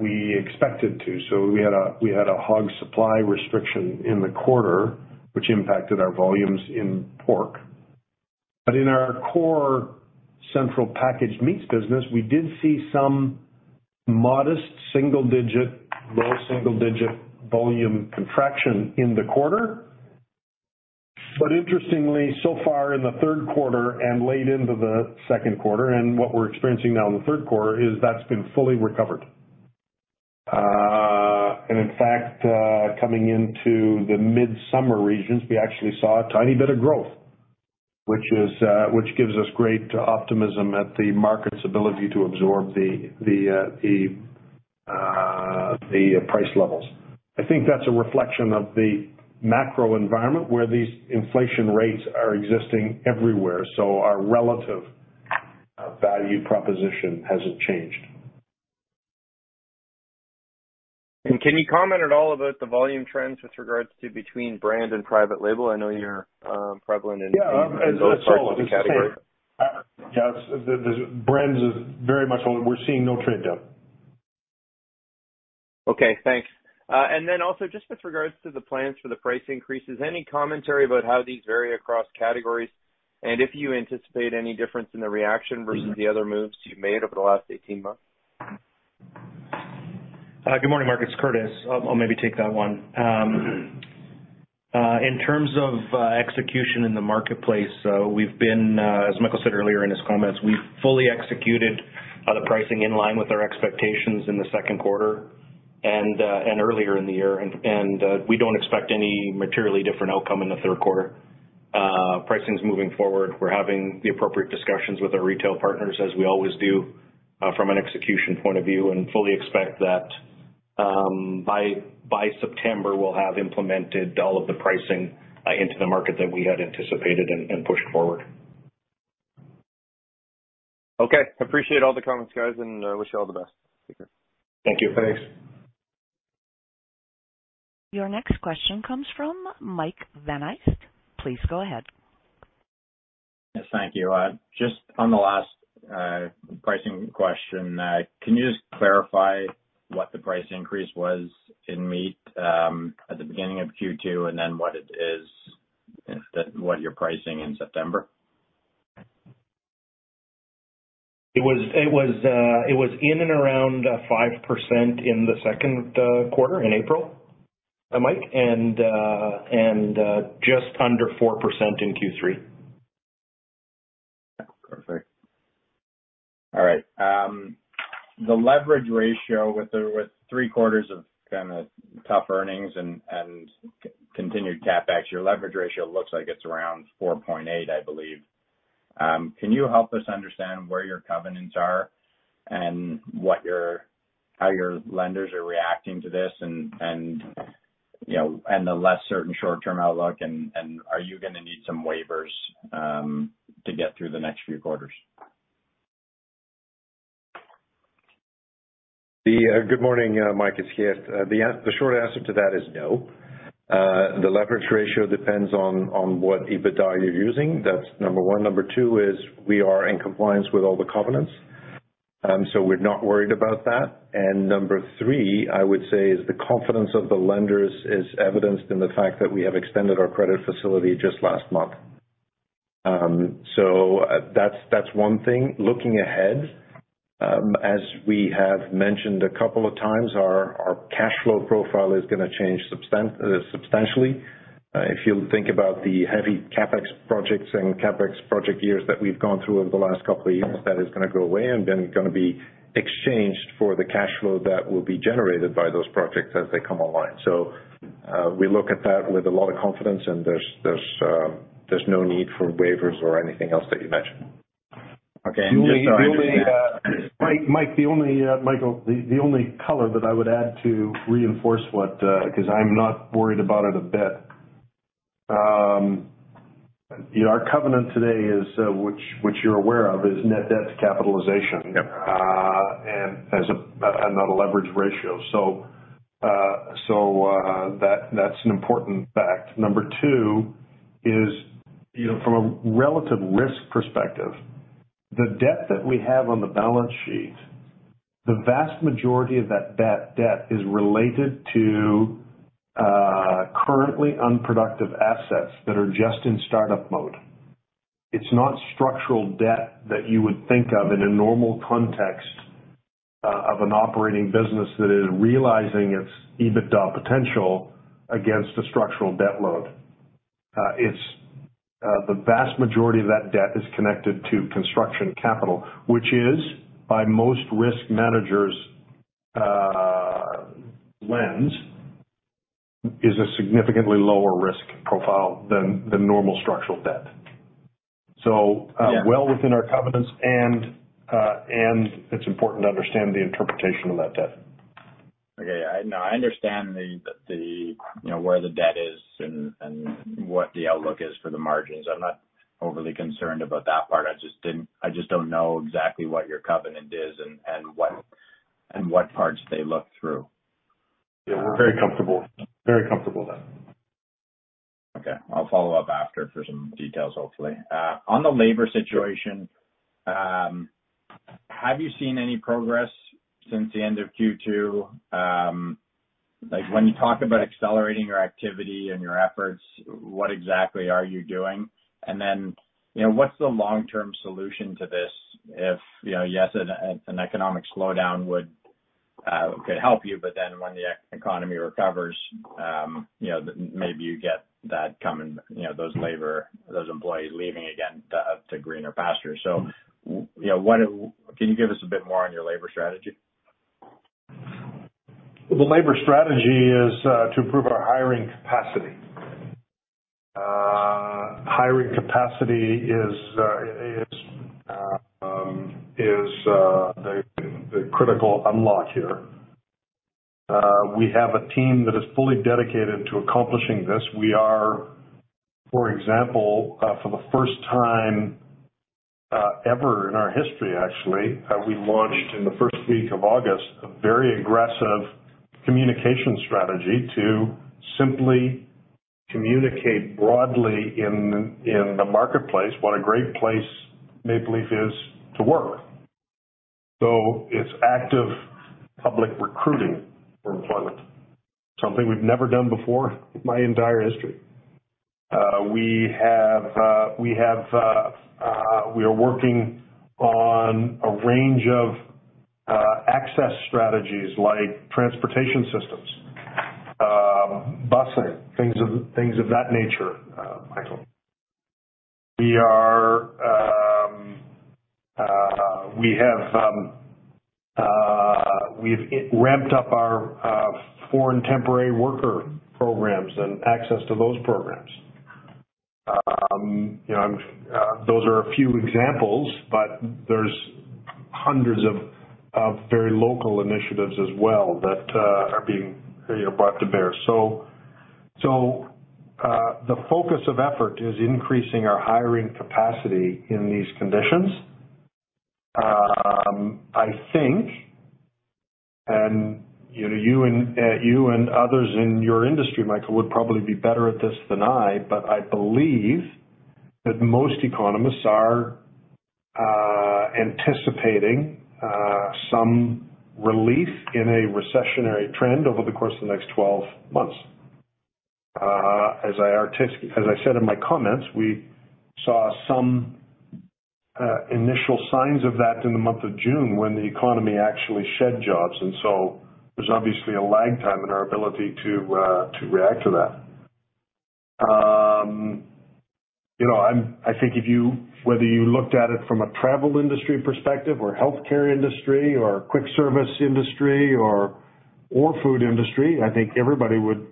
we expected to. We had a hog supply restriction in the quarter, which impacted our volumes in pork. In our core central packaged meats business, we did see some modest single digit, low single digit volume contraction in the quarter. Interestingly, so far in the third quarter and late into the second quarter, and what we're experiencing now in the third quarter, that's been fully recovered. In fact, coming into the mid-summer regions, we actually saw a tiny bit of growth, which gives us great optimism at the market's ability to absorb the price levels. I think that's a reflection of the macro environment where these inflation rates are existing everywhere, so our relative value proposition hasn't changed.
Can you comment at all about the volume trends with regards to between brand and private label? I know you're prevalent in-
Yeah.
in both parts of the category.
Yes. The brands is very much. We're seeing no trade down.
Okay, thanks. Also just with regards to the plans for the price increases, any commentary about how these vary across categories and if you anticipate any difference in the reaction versus the other moves you've made over the last 18 months?
Good morning, Mark, it's Curtis. I'll maybe take that one. In terms of execution in the marketplace, we've been, as Michael said earlier in his comments, we've fully executed the pricing in line with our expectations in the second quarter and earlier in the year. We don't expect any materially different outcome in the third quarter. Pricing's moving forward. We're having the appropriate discussions with our retail partners, as we always do, from an execution point of view, and fully expect that, by September, we'll have implemented all of the pricing into the market that we had anticipated and pushed forward.
Okay. Appreciate all the comments, guys, and wish you all the best. Take care.
Thank you.
Thanks.
Your next question comes from Michael Van Aelst. Please go ahead.
Yes, thank you. Just on the last pricing question, can you just clarify what the price increase was in meat at the beginning of Q2 and then what it is and what you're pricing in September?
It was in and around 5% in the second quarter in April, Mike, and just under 4% in Q3.
Perfect. All right. The leverage ratio with three-quarters of kinda tough earnings and continued CapEx, your leverage ratio looks like it's around 4.8x, I believe. Can you help us understand where your covenants are and how your lenders are reacting to this and, you know, the less certain short-term outlook and are you gonna need some waivers to get through the next few quarters?
Good morning, Mike. It's Geert. The short answer to that is no. The leverage ratio depends on what EBITDA you're using. That's number one. Number two is we are in compliance with all the covenants, so we're not worried about that. Number three, I would say, is the confidence of the lenders is evidenced in the fact that we have extended our credit facility just last month. So, that's one thing. Looking ahead, as we have mentioned a couple of times, our cash flow profile is gonna change substantially. If you think about the heavy CapEx projects and CapEx project years that we've gone through over the last couple of years, that is gonna go away and then gonna be exchanged for the cash flow that will be generated by those projects as they come online. We look at that with a lot of confidence and there's no need for waivers or anything else that you mentioned.
Okay. Just so I understand.
Michael, the only color that I would add to reinforce what, because I'm not worried about it a bit. You know, our covenant today is, which you're aware of, is net debt to capitalization.
Yep.
Not a leverage ratio. That's an important fact. Number two is, you know, from a relative risk perspective, the debt that we have on the balance sheet, the vast majority of that debt is related to currently unproductive assets that are just in startup mode. It's not structural debt that you would think of in a normal context of an operating business that is realizing its EBITDA potential against a structural debt load. The vast majority of that debt is connected to construction capital. Which is, by most risk managers' lens, a significantly lower risk profile than normal structural debt.
Yeah.
Well within our covenants and it's important to understand the interpretation of that debt.
Okay. No, I understand the you know where the debt is and what the outlook is for the margins. I'm not overly concerned about that part. I just don't know exactly what your covenant is and what parts they look through.
Yeah, we're very comfortable. Very comfortable then.
Okay. I'll follow up after for some details, hopefully. On the labor situation, have you seen any progress since the end of Q2? Like when you talk about accelerating your activity and your efforts, what exactly are you doing? Then, you know, what's the long-term solution to this if, you know, yes, an economic slowdown would could help you, but then when the economy recovers, you know, maybe you get that coming, you know, those employees leaving again to greener pastures. You know, what can you give us a bit more on your labor strategy?
The labor strategy is to improve our hiring capacity. Hiring capacity is the critical unlock here. We have a team that is fully dedicated to accomplishing this. We are, for example, for the first time ever in our history actually, we launched in the first week of August a very aggressive communication strategy to simply communicate broadly in the marketplace what a great place Maple Leaf is to work. It's active public recruiting for employment. Something we've never done before in my entire history. We are working on a range of access strategies like transportation systems, busing, things of that nature, Michael. We've ramped up our foreign temporary worker programs and access to those programs. You know, those are a few examples, but there's hundreds of very local initiatives as well that are being, you know, brought to bear. The focus of effort is increasing our hiring capacity in these conditions. I think you know, you and others in your industry, Michael, would probably be better at this than I, but I believe that most economists are anticipating some relief in a recessionary trend over the course of the next 12 months. As I said in my comments, we saw some initial signs of that in the month of June when the economy actually shed jobs, and so there's obviously a lag time in our ability to react to that. You know, I think whether you looked at it from a travel industry perspective, or healthcare industry, or quick service industry, or food industry, I think everybody would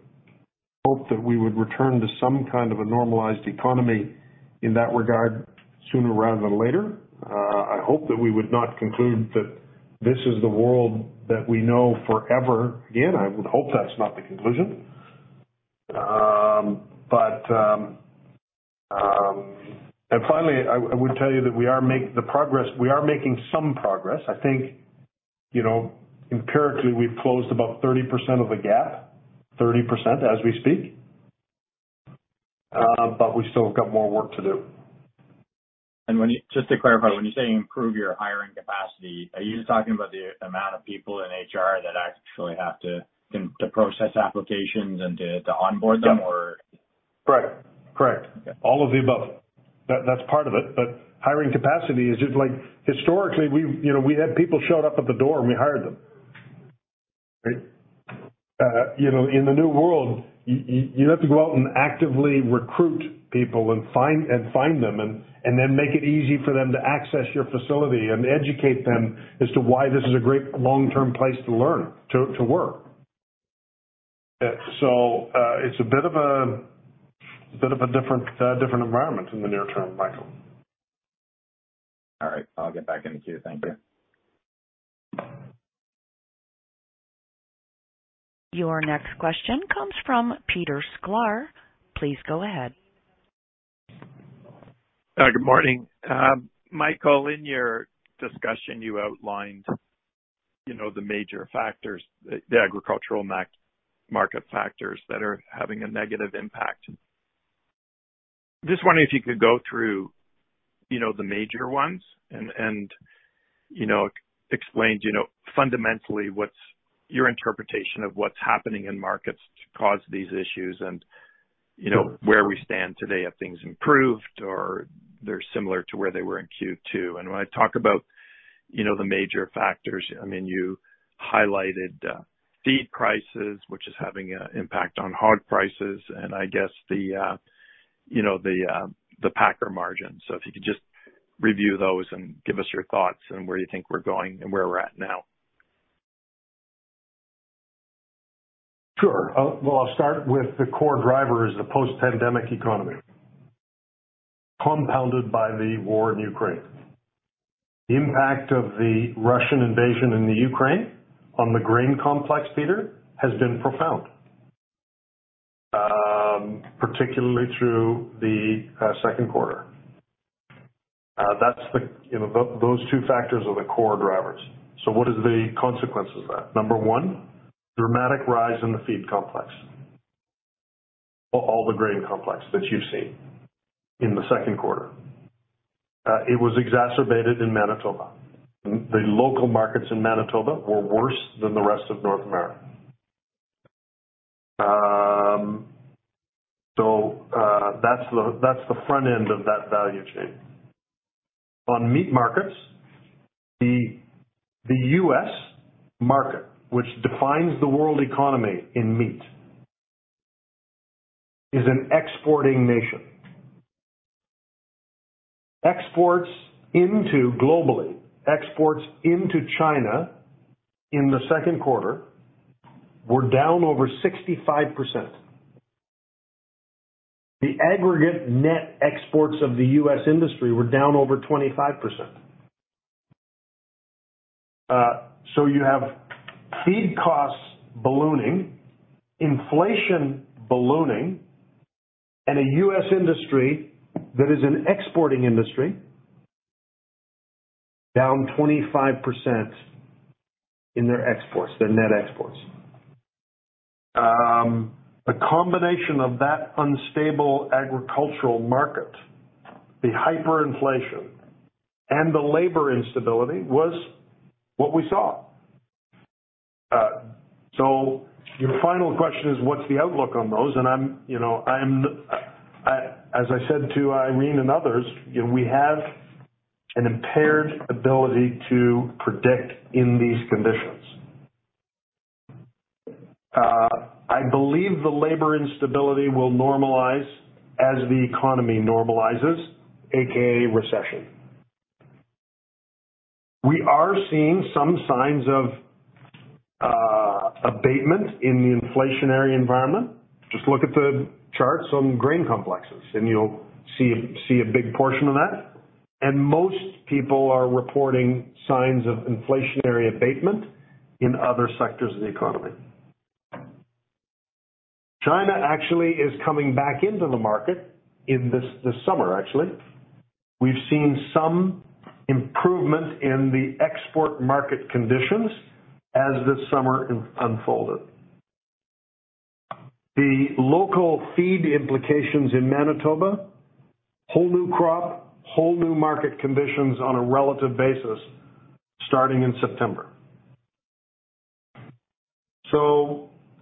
hope that we would return to some kind of a normalized economy in that regard sooner rather than later. I hope that we would not conclude that this is the world that we know forever. Again, I would hope that's not the conclusion. Finally, I would tell you that we are making some progress. I think, you know, empirically, we've closed about 30% of the gap, 30% as we speak. We've still got more work to do.
Just to clarify, when you say improve your hiring capacity, are you talking about the amount of people in HR that actually have to to process applications and to onboard them or?
Correct. All of the above. That's part of it. Hiring capacity is just like historically, we've had people show up at the door and we hired them, right? In the new world, you have to go out and actively recruit people and find them and then make it easy for them to access your facility and educate them as to why this is a great long-term place to learn, to work. It's a bit of a different environment in the near term, Michael.
All right. I'll get back in the queue. Thank you.
Your next question comes from Peter Sklar. Please go ahead.
Good morning. Michael, in your discussion, you outlined, you know, the major factors, the agricultural market factors that are having a negative impact. Just wondering if you could go through, you know, the major ones and, you know, explain, you know, fundamentally what's your interpretation of what's happening in markets to cause these issues and, you know, where we stand today, have things improved or they're similar to where they were in Q2? When I talk about, you know, the major factors, I mean, you highlighted feed prices, which is having an impact on hog prices and I guess the packer margin. If you could just review those and give us your thoughts on where you think we're going and where we're at now.
Sure. Well, I'll start with the core driver is the post-pandemic economy, compounded by the war in Ukraine. The impact of the Russian invasion in the Ukraine on the grain complex, Peter, has been profound. Particularly through the second quarter. That's the, you know, those two factors are the core drivers. What is the consequence of that? Number one, dramatic rise in the feed complex. All the grain complex that you've seen in the second quarter. It was exacerbated in Manitoba. The local markets in Manitoba were worse than the rest of North America. That's the front end of that value chain. On meat markets, the U.S. market, which defines the world economy in meat, is an exporting nation. Exports globally into China in the second quarter were down over 65%. The aggregate net exports of the U.S. industry were down over 25%. You have feed costs ballooning, inflation ballooning, and a U.S. industry that is an exporting industry down 25% in their exports, their net exports. A combination of that unstable agricultural market, the hyperinflation, and the labor instability was what we saw. Your final question is, what's the outlook on those? I'm, you know, as I said to Irene and others, you know, we have an impaired ability to predict in these conditions. I believe the labor instability will normalize as the economy normalizes, AKA recession. We are seeing some signs of abatement in the inflationary environment. Just look at the charts on grain complexes and you'll see a big portion of that. Most people are reporting signs of inflationary abatement in other sectors of the economy. China actually is coming back into the market in this summer, actually. We've seen some improvement in the export market conditions as this summer unfolded. The local feed implications in Manitoba, whole new crop, whole new market conditions on a relative basis starting in September.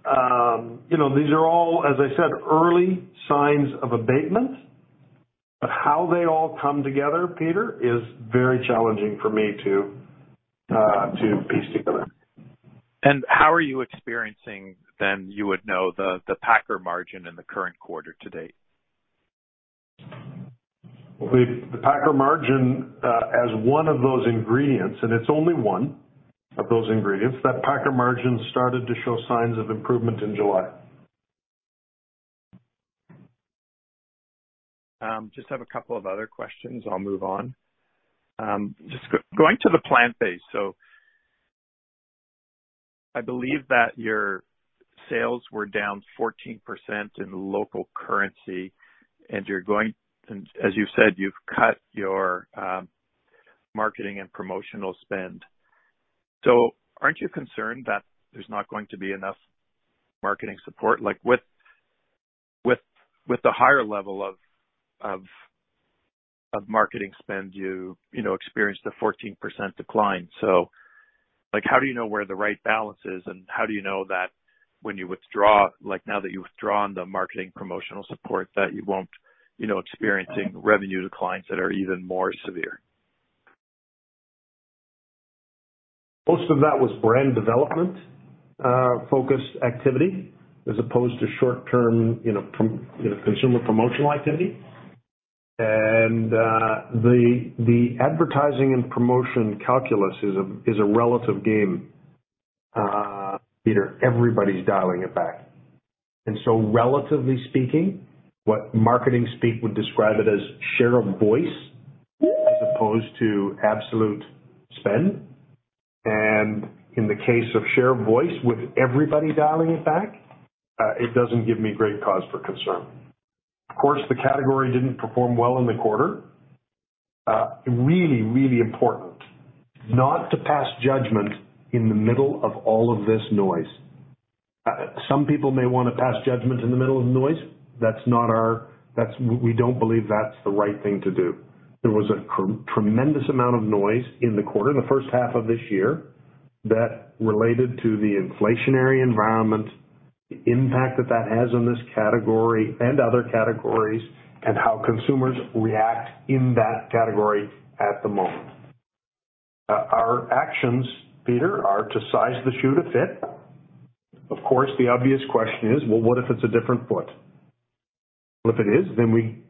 You know, these are all, as I said, early signs of abatement, but how they all come together, Peter, is very challenging for me to piece together.
How are you experiencing the yen? You would know the packer margin in the current quarter to date?
The packer margin, as one of those ingredients, and it's only one of those ingredients, that packer margin started to show signs of improvement in July.
Just have a couple of other questions. I'll move on. Just going to the plant-based. I believe that your sales were down 14% in local currency, and as you've said, you've cut your marketing and promotional spend. Aren't you concerned that there's not going to be enough marketing support? Like, with the higher level of marketing spend, you know, experienced a 14% decline. Like, how do you know where the right balance is, and how do you know that when you withdraw, like now that you've withdrawn the marketing promotional support, that you won't, you know, experiencing revenue declines that are even more severe?
Most of that was brand development, focused activity as opposed to short-term, you know, consumer promotional activity. The advertising and promotion calculus is a relative game, Peter. Everybody's dialing it back. Relatively speaking, what marketing speak would describe it as share of voice as opposed to absolute spend. In the case of share of voice, with everybody dialing it back, it doesn't give me great cause for concern. Of course, the category didn't perform well in the quarter. Really important not to pass judgment in the middle of all of this noise. Some people may wanna pass judgment in the middle of the noise. We don't believe that's the right thing to do. There was a tremendous amount of noise in the quarter, the first half of this year, that related to the inflationary environment, the impact that that has on this category and other categories, and how consumers react in that category at the moment. Our actions, Peter, are to size the shoe to fit. Of course, the obvious question is, well, what if it's a different foot? Well, if it is, then we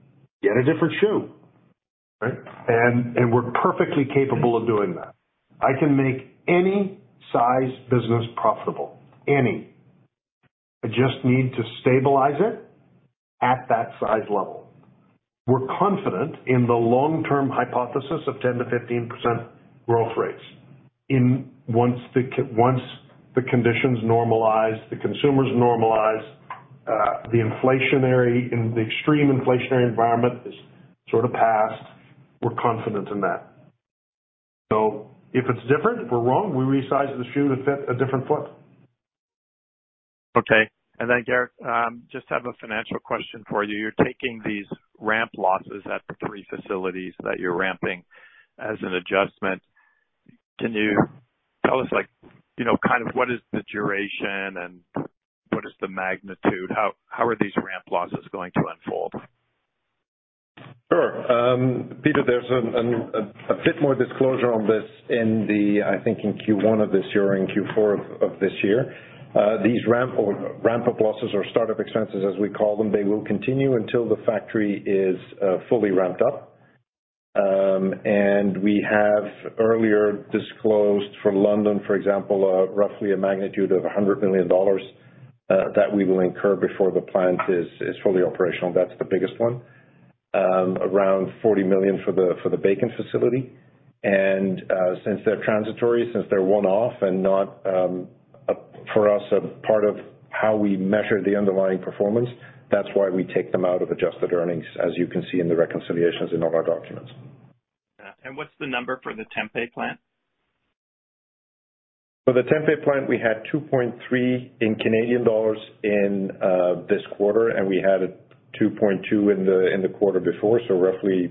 get a different shoe, right? We're perfectly capable of doing that. I can make any size business profitable. Any. I just need to stabilize it at that size level. We're confident in the long-term hypothesis of 10%-15% growth rates once the conditions normalize, the consumers normalize, the inflationary and the extreme inflationary environment is sort of past. We're confident in that. If it's different, if we're wrong, we resize the shoe to fit a different foot.
Geert, just have a financial question for you. You're taking these ramp losses at the three facilities that you're ramping as an adjustment. Can you tell us like, you know, kind of what is the duration and what is the magnitude? How are these ramp losses going to unfold?
Sure. Peter, there's a bit more disclosure on this in the, I think, in Q1 of this year or in Q4 of this year. These ramp-up losses or startup expenses, as we call them, they will continue until the factory is fully ramped up. We have earlier disclosed for London, for example, roughly a magnitude of 100 million dollars that we will incur before the plant is fully operational. That's the biggest one. Around 40 million for the bacon facility. Since they're transitory, since they're one-off and not for us a part of how we measure the underlying performance, that's why we take them out of adjusted earnings, as you can see in the reconciliations in all our documents.
What's the number for the Tempeh plant?
For the Tempeh plant, we had 2.3 million in Canadian dollars in this quarter, and we had 2.2 million in the quarter before. So roughly,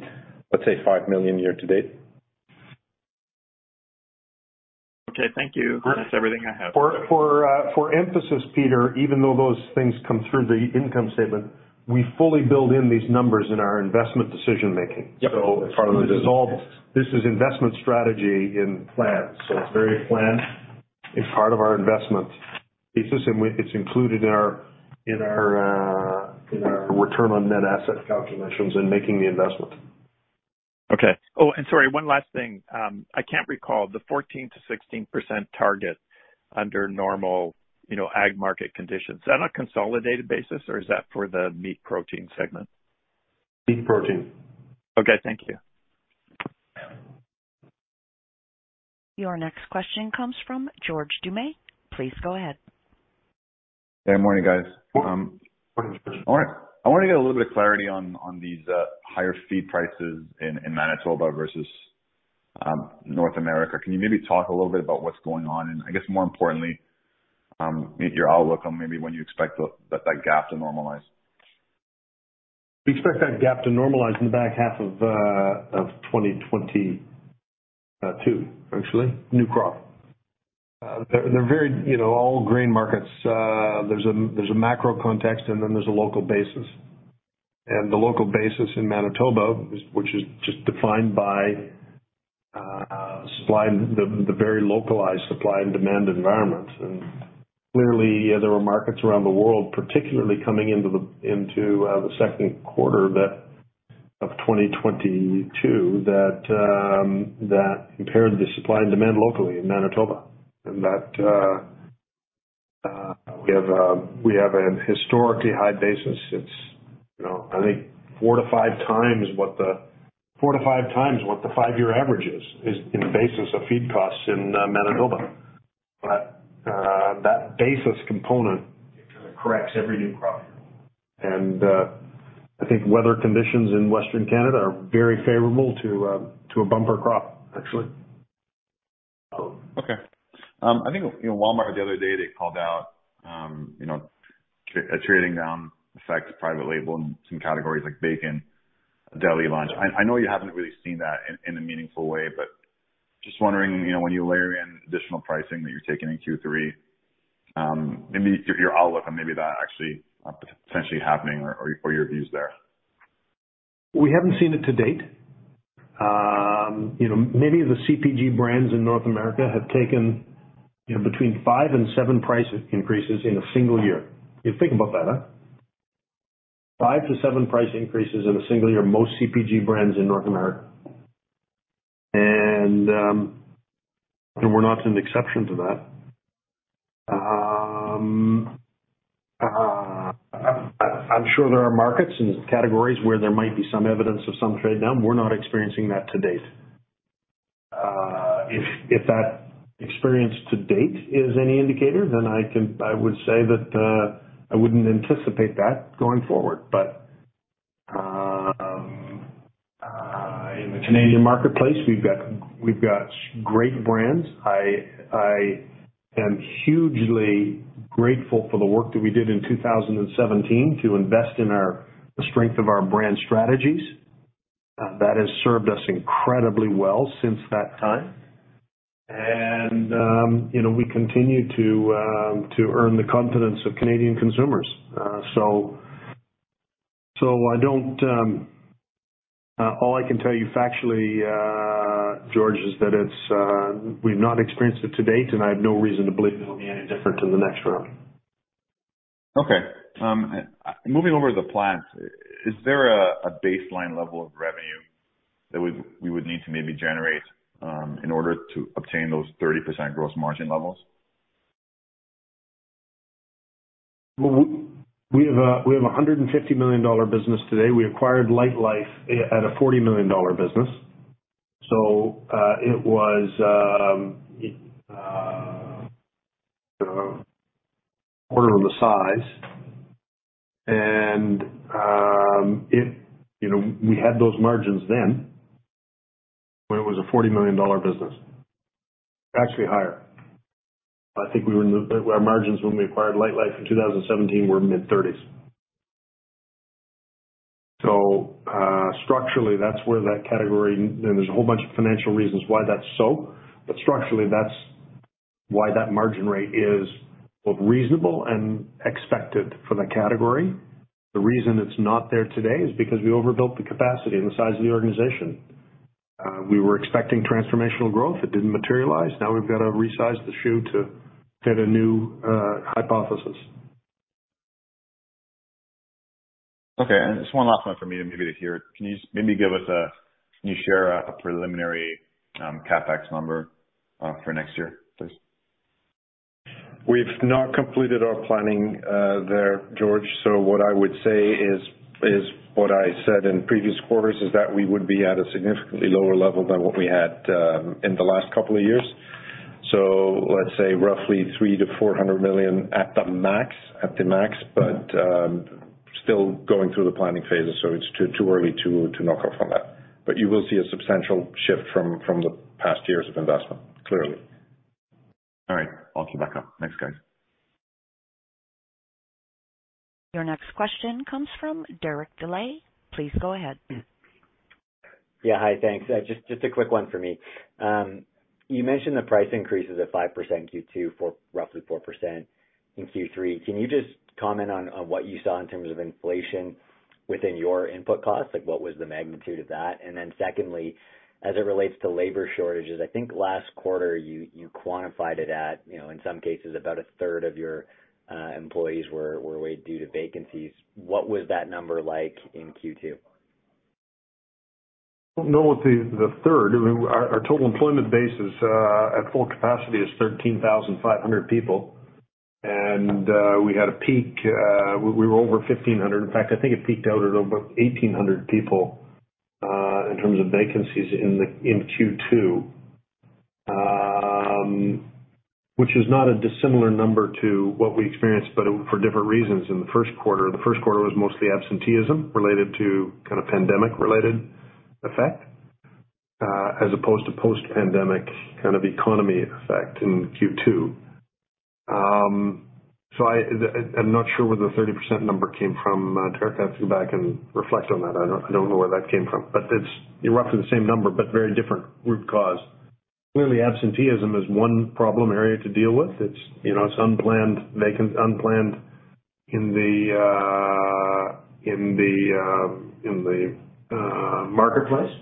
let's say, 5 million year to date.
Okay. Thank you. That's everything I have.
For emphasis, Peter, even though those things come through the income statement, we fully build in these numbers in our investment decision-making.
Yep.
This is investment strategy in plans. It's very planned. It's part of our investment thesis, and it's included in our return on net assets calculations in making the investment.
Okay. Oh, and sorry, one last thing. I can't recall the 14%-16% target under normal, you know, ag market conditions. Is that on a consolidated basis, or is that for the meat protein segment?
Meat protein.
Okay. Thank you.
Your next question comes from George Doumet. Please go ahead.
Good morning, guys.
Morning, George.
I wanna get a little bit of clarity on these higher feed prices in Manitoba versus North America. Can you maybe talk a little bit about what's going on? I guess more importantly, maybe your outlook on maybe when you expect that gap to normalize.
We expect that gap to normalize in the back half of 2022, actually. New crop. They're very, you know, all grain markets. There's a macro context, and then there's a local basis. The local basis in Manitoba, which is just defined by supply, the very localized supply and demand environment. Clearly, there were markets around the world, particularly coming into the second quarter of that 2022 that impaired the supply and demand locally in Manitoba. We have an historically high basis. It's, you know, I think 4x-5x what the five-year average is in the basis of feed costs in Manitoba. That basis component corrects every new crop. I think weather conditions in Western Canada are very favorable to a bumper crop, actually.
Okay. I think, you know, Walmart the other day, they called out, you know, attributing to the fact private label in some categories like bacon, deli lunch. I know you haven't really seen that in a meaningful way, but just wondering, you know, when you layer in additional pricing that you're taking in Q3, maybe your outlook on maybe that actually potentially happening or your views there.
We haven't seen it to date. You know, maybe the CPG brands in North America have taken, you know, between five and seven price increases in a single year. Think about that, huh? Five to seven price increases in a single year, most CPG brands in North America. We're not an exception to that. I'm sure there are markets and categories where there might be some evidence of some trade down. We're not experiencing that to date. If that experience to date is any indicator, then I would say that I wouldn't anticipate that going forward. In the Canadian marketplace, we've got great brands. I am hugely grateful for the work that we did in 2017 to invest in the strength of our brand strategies. That has served us incredibly well since that time. You know, we continue to earn the confidence of Canadian consumers. All I can tell you factually, George, is that it's. We've not experienced it to date, and I have no reason to believe it'll be any different in the next round.
Okay. Moving over to the plant, is there a baseline level of revenue that we would need to maybe generate in order to obtain those 30% gross margin levels?
We have a 150 million dollar business today. We acquired Lightlife at a 40 million dollar business. It was a quarter of the size. You know, we had those margins then when it was a 40 million dollar business. Actually higher. I think our margins when we acquired Lightlife in 2017 were mid-30%s. Structurally, that's where that category, and there's a whole bunch of financial reasons why that's so, but structurally, that's why that margin rate is both reasonable and expected for the category. The reason it's not there today is because we overbuilt the capacity and the size of the organization. We were expecting transformational growth. It didn't materialize. Now we've got to resize the shoe to fit a new hypothesis.
Okay. Just one last one for me, and maybe to hear. Can you share a preliminary CapEx number for next year, please?
We've not completed our planning, there, George. What I would say is what I said in previous quarters, is that we would be at a significantly lower level than what we had in the last couple of years. Let's say roughly 300 million-400 million at the max. Still going through the planning phases, so it's too early to knock off on that. You will see a substantial shift from the past years of investment, clearly.
All right. I'll keep back up. Thanks, guys.
Your next question comes from Derek Dley. Please go ahead.
Yeah. Hi. Thanks. Just a quick one for me. You mentioned the price increases at 5% Q2, roughly 4% in Q3. Can you just comment on what you saw in terms of inflation within your input costs? Like, what was the magnitude of that? And then secondly, as it relates to labor shortages, I think last quarter you quantified it at, you know, in some cases about 1/3 of your employees were away due to vacancies. What was that number like in Q2?
Don't know if 1/3. I mean, our total employment base is at full capacity 13,500 people. We had a peak, we were over 1,500. In fact, I think it peaked out at over 1,800 people in terms of vacancies in Q2. Which is not a dissimilar number to what we experienced, but it was for different reasons in the first quarter. The first quarter was mostly absenteeism related to pandemic-related effect, as opposed to post-pandemic economy effect in Q2. I'm not sure where the 30% number came from. Derek, I have to go back and reflect on that. I don't know where that came from. It's roughly the same number, but very different root cause. Clearly, absenteeism is one problem area to deal with. It's, you know, it's unplanned in the marketplace.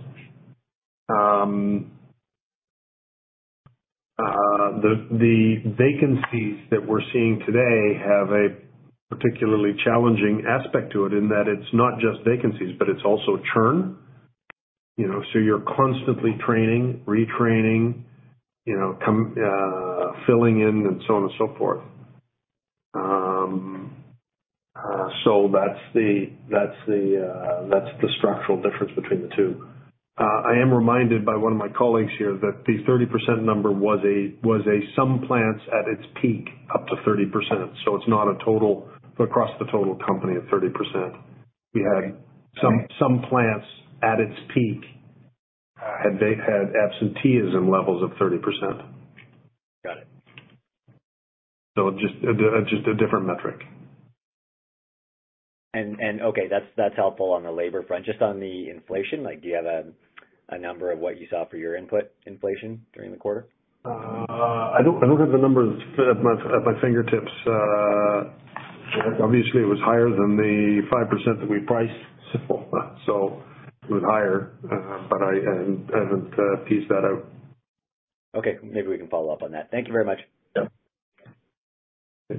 The vacancies that we're seeing today have a particularly challenging aspect to it in that it's not just vacancies, but it's also churn. You know, so you're constantly training, retraining, you know, filling in and so on and so forth. That's the structural difference between the two. I am reminded by one of my colleagues here that the 30% number was at some plants at its peak up to 30%. It's not a total across the total company of 30%. We had some plants at its peak had absenteeism levels of 30%.
Got it.
Just a different metric.
Okay, that's helpful on the labor front. Just on the inflation, like, do you have a number of what you saw for your input inflation during the quarter?
I don't have the numbers at my fingertips. Obviously, it was higher than the 5% that we priced. It was higher, but I haven't pieced that out.
Okay. Maybe we can follow up on that. Thank you very much.
Yeah.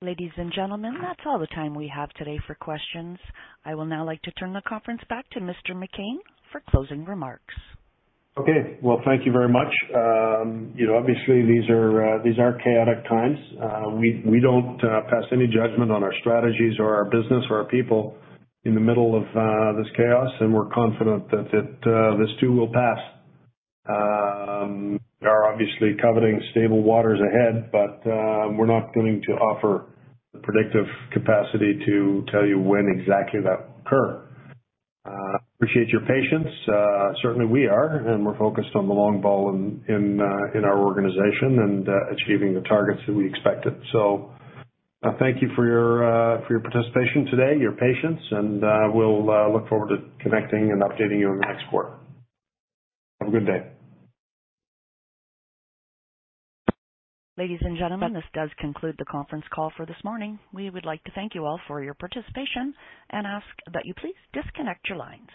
Ladies and gentlemen, that's all the time we have today for questions. I will now like to turn the conference back to Mr. McCain for closing remarks.
Okay. Well, thank you very much. You know, obviously these are chaotic times. We don't pass any judgment on our strategies or our business or our people in the middle of this chaos, and we're confident that this too will pass. We're obviously hoping for calmer waters ahead, but we're not going to offer predictive capacity to tell you when exactly that will occur. Appreciate your patience. Certainly we are, and we're focused on the long haul in our organization and achieving the targets that we expected. Thank you for your participation today, your patience, and we'll look forward to connecting and updating you in the next quarter. Have a good day.
Ladies and gentlemen, this does conclude the conference call for this morning. We would like to thank you all for your participation and ask that you please disconnect your lines.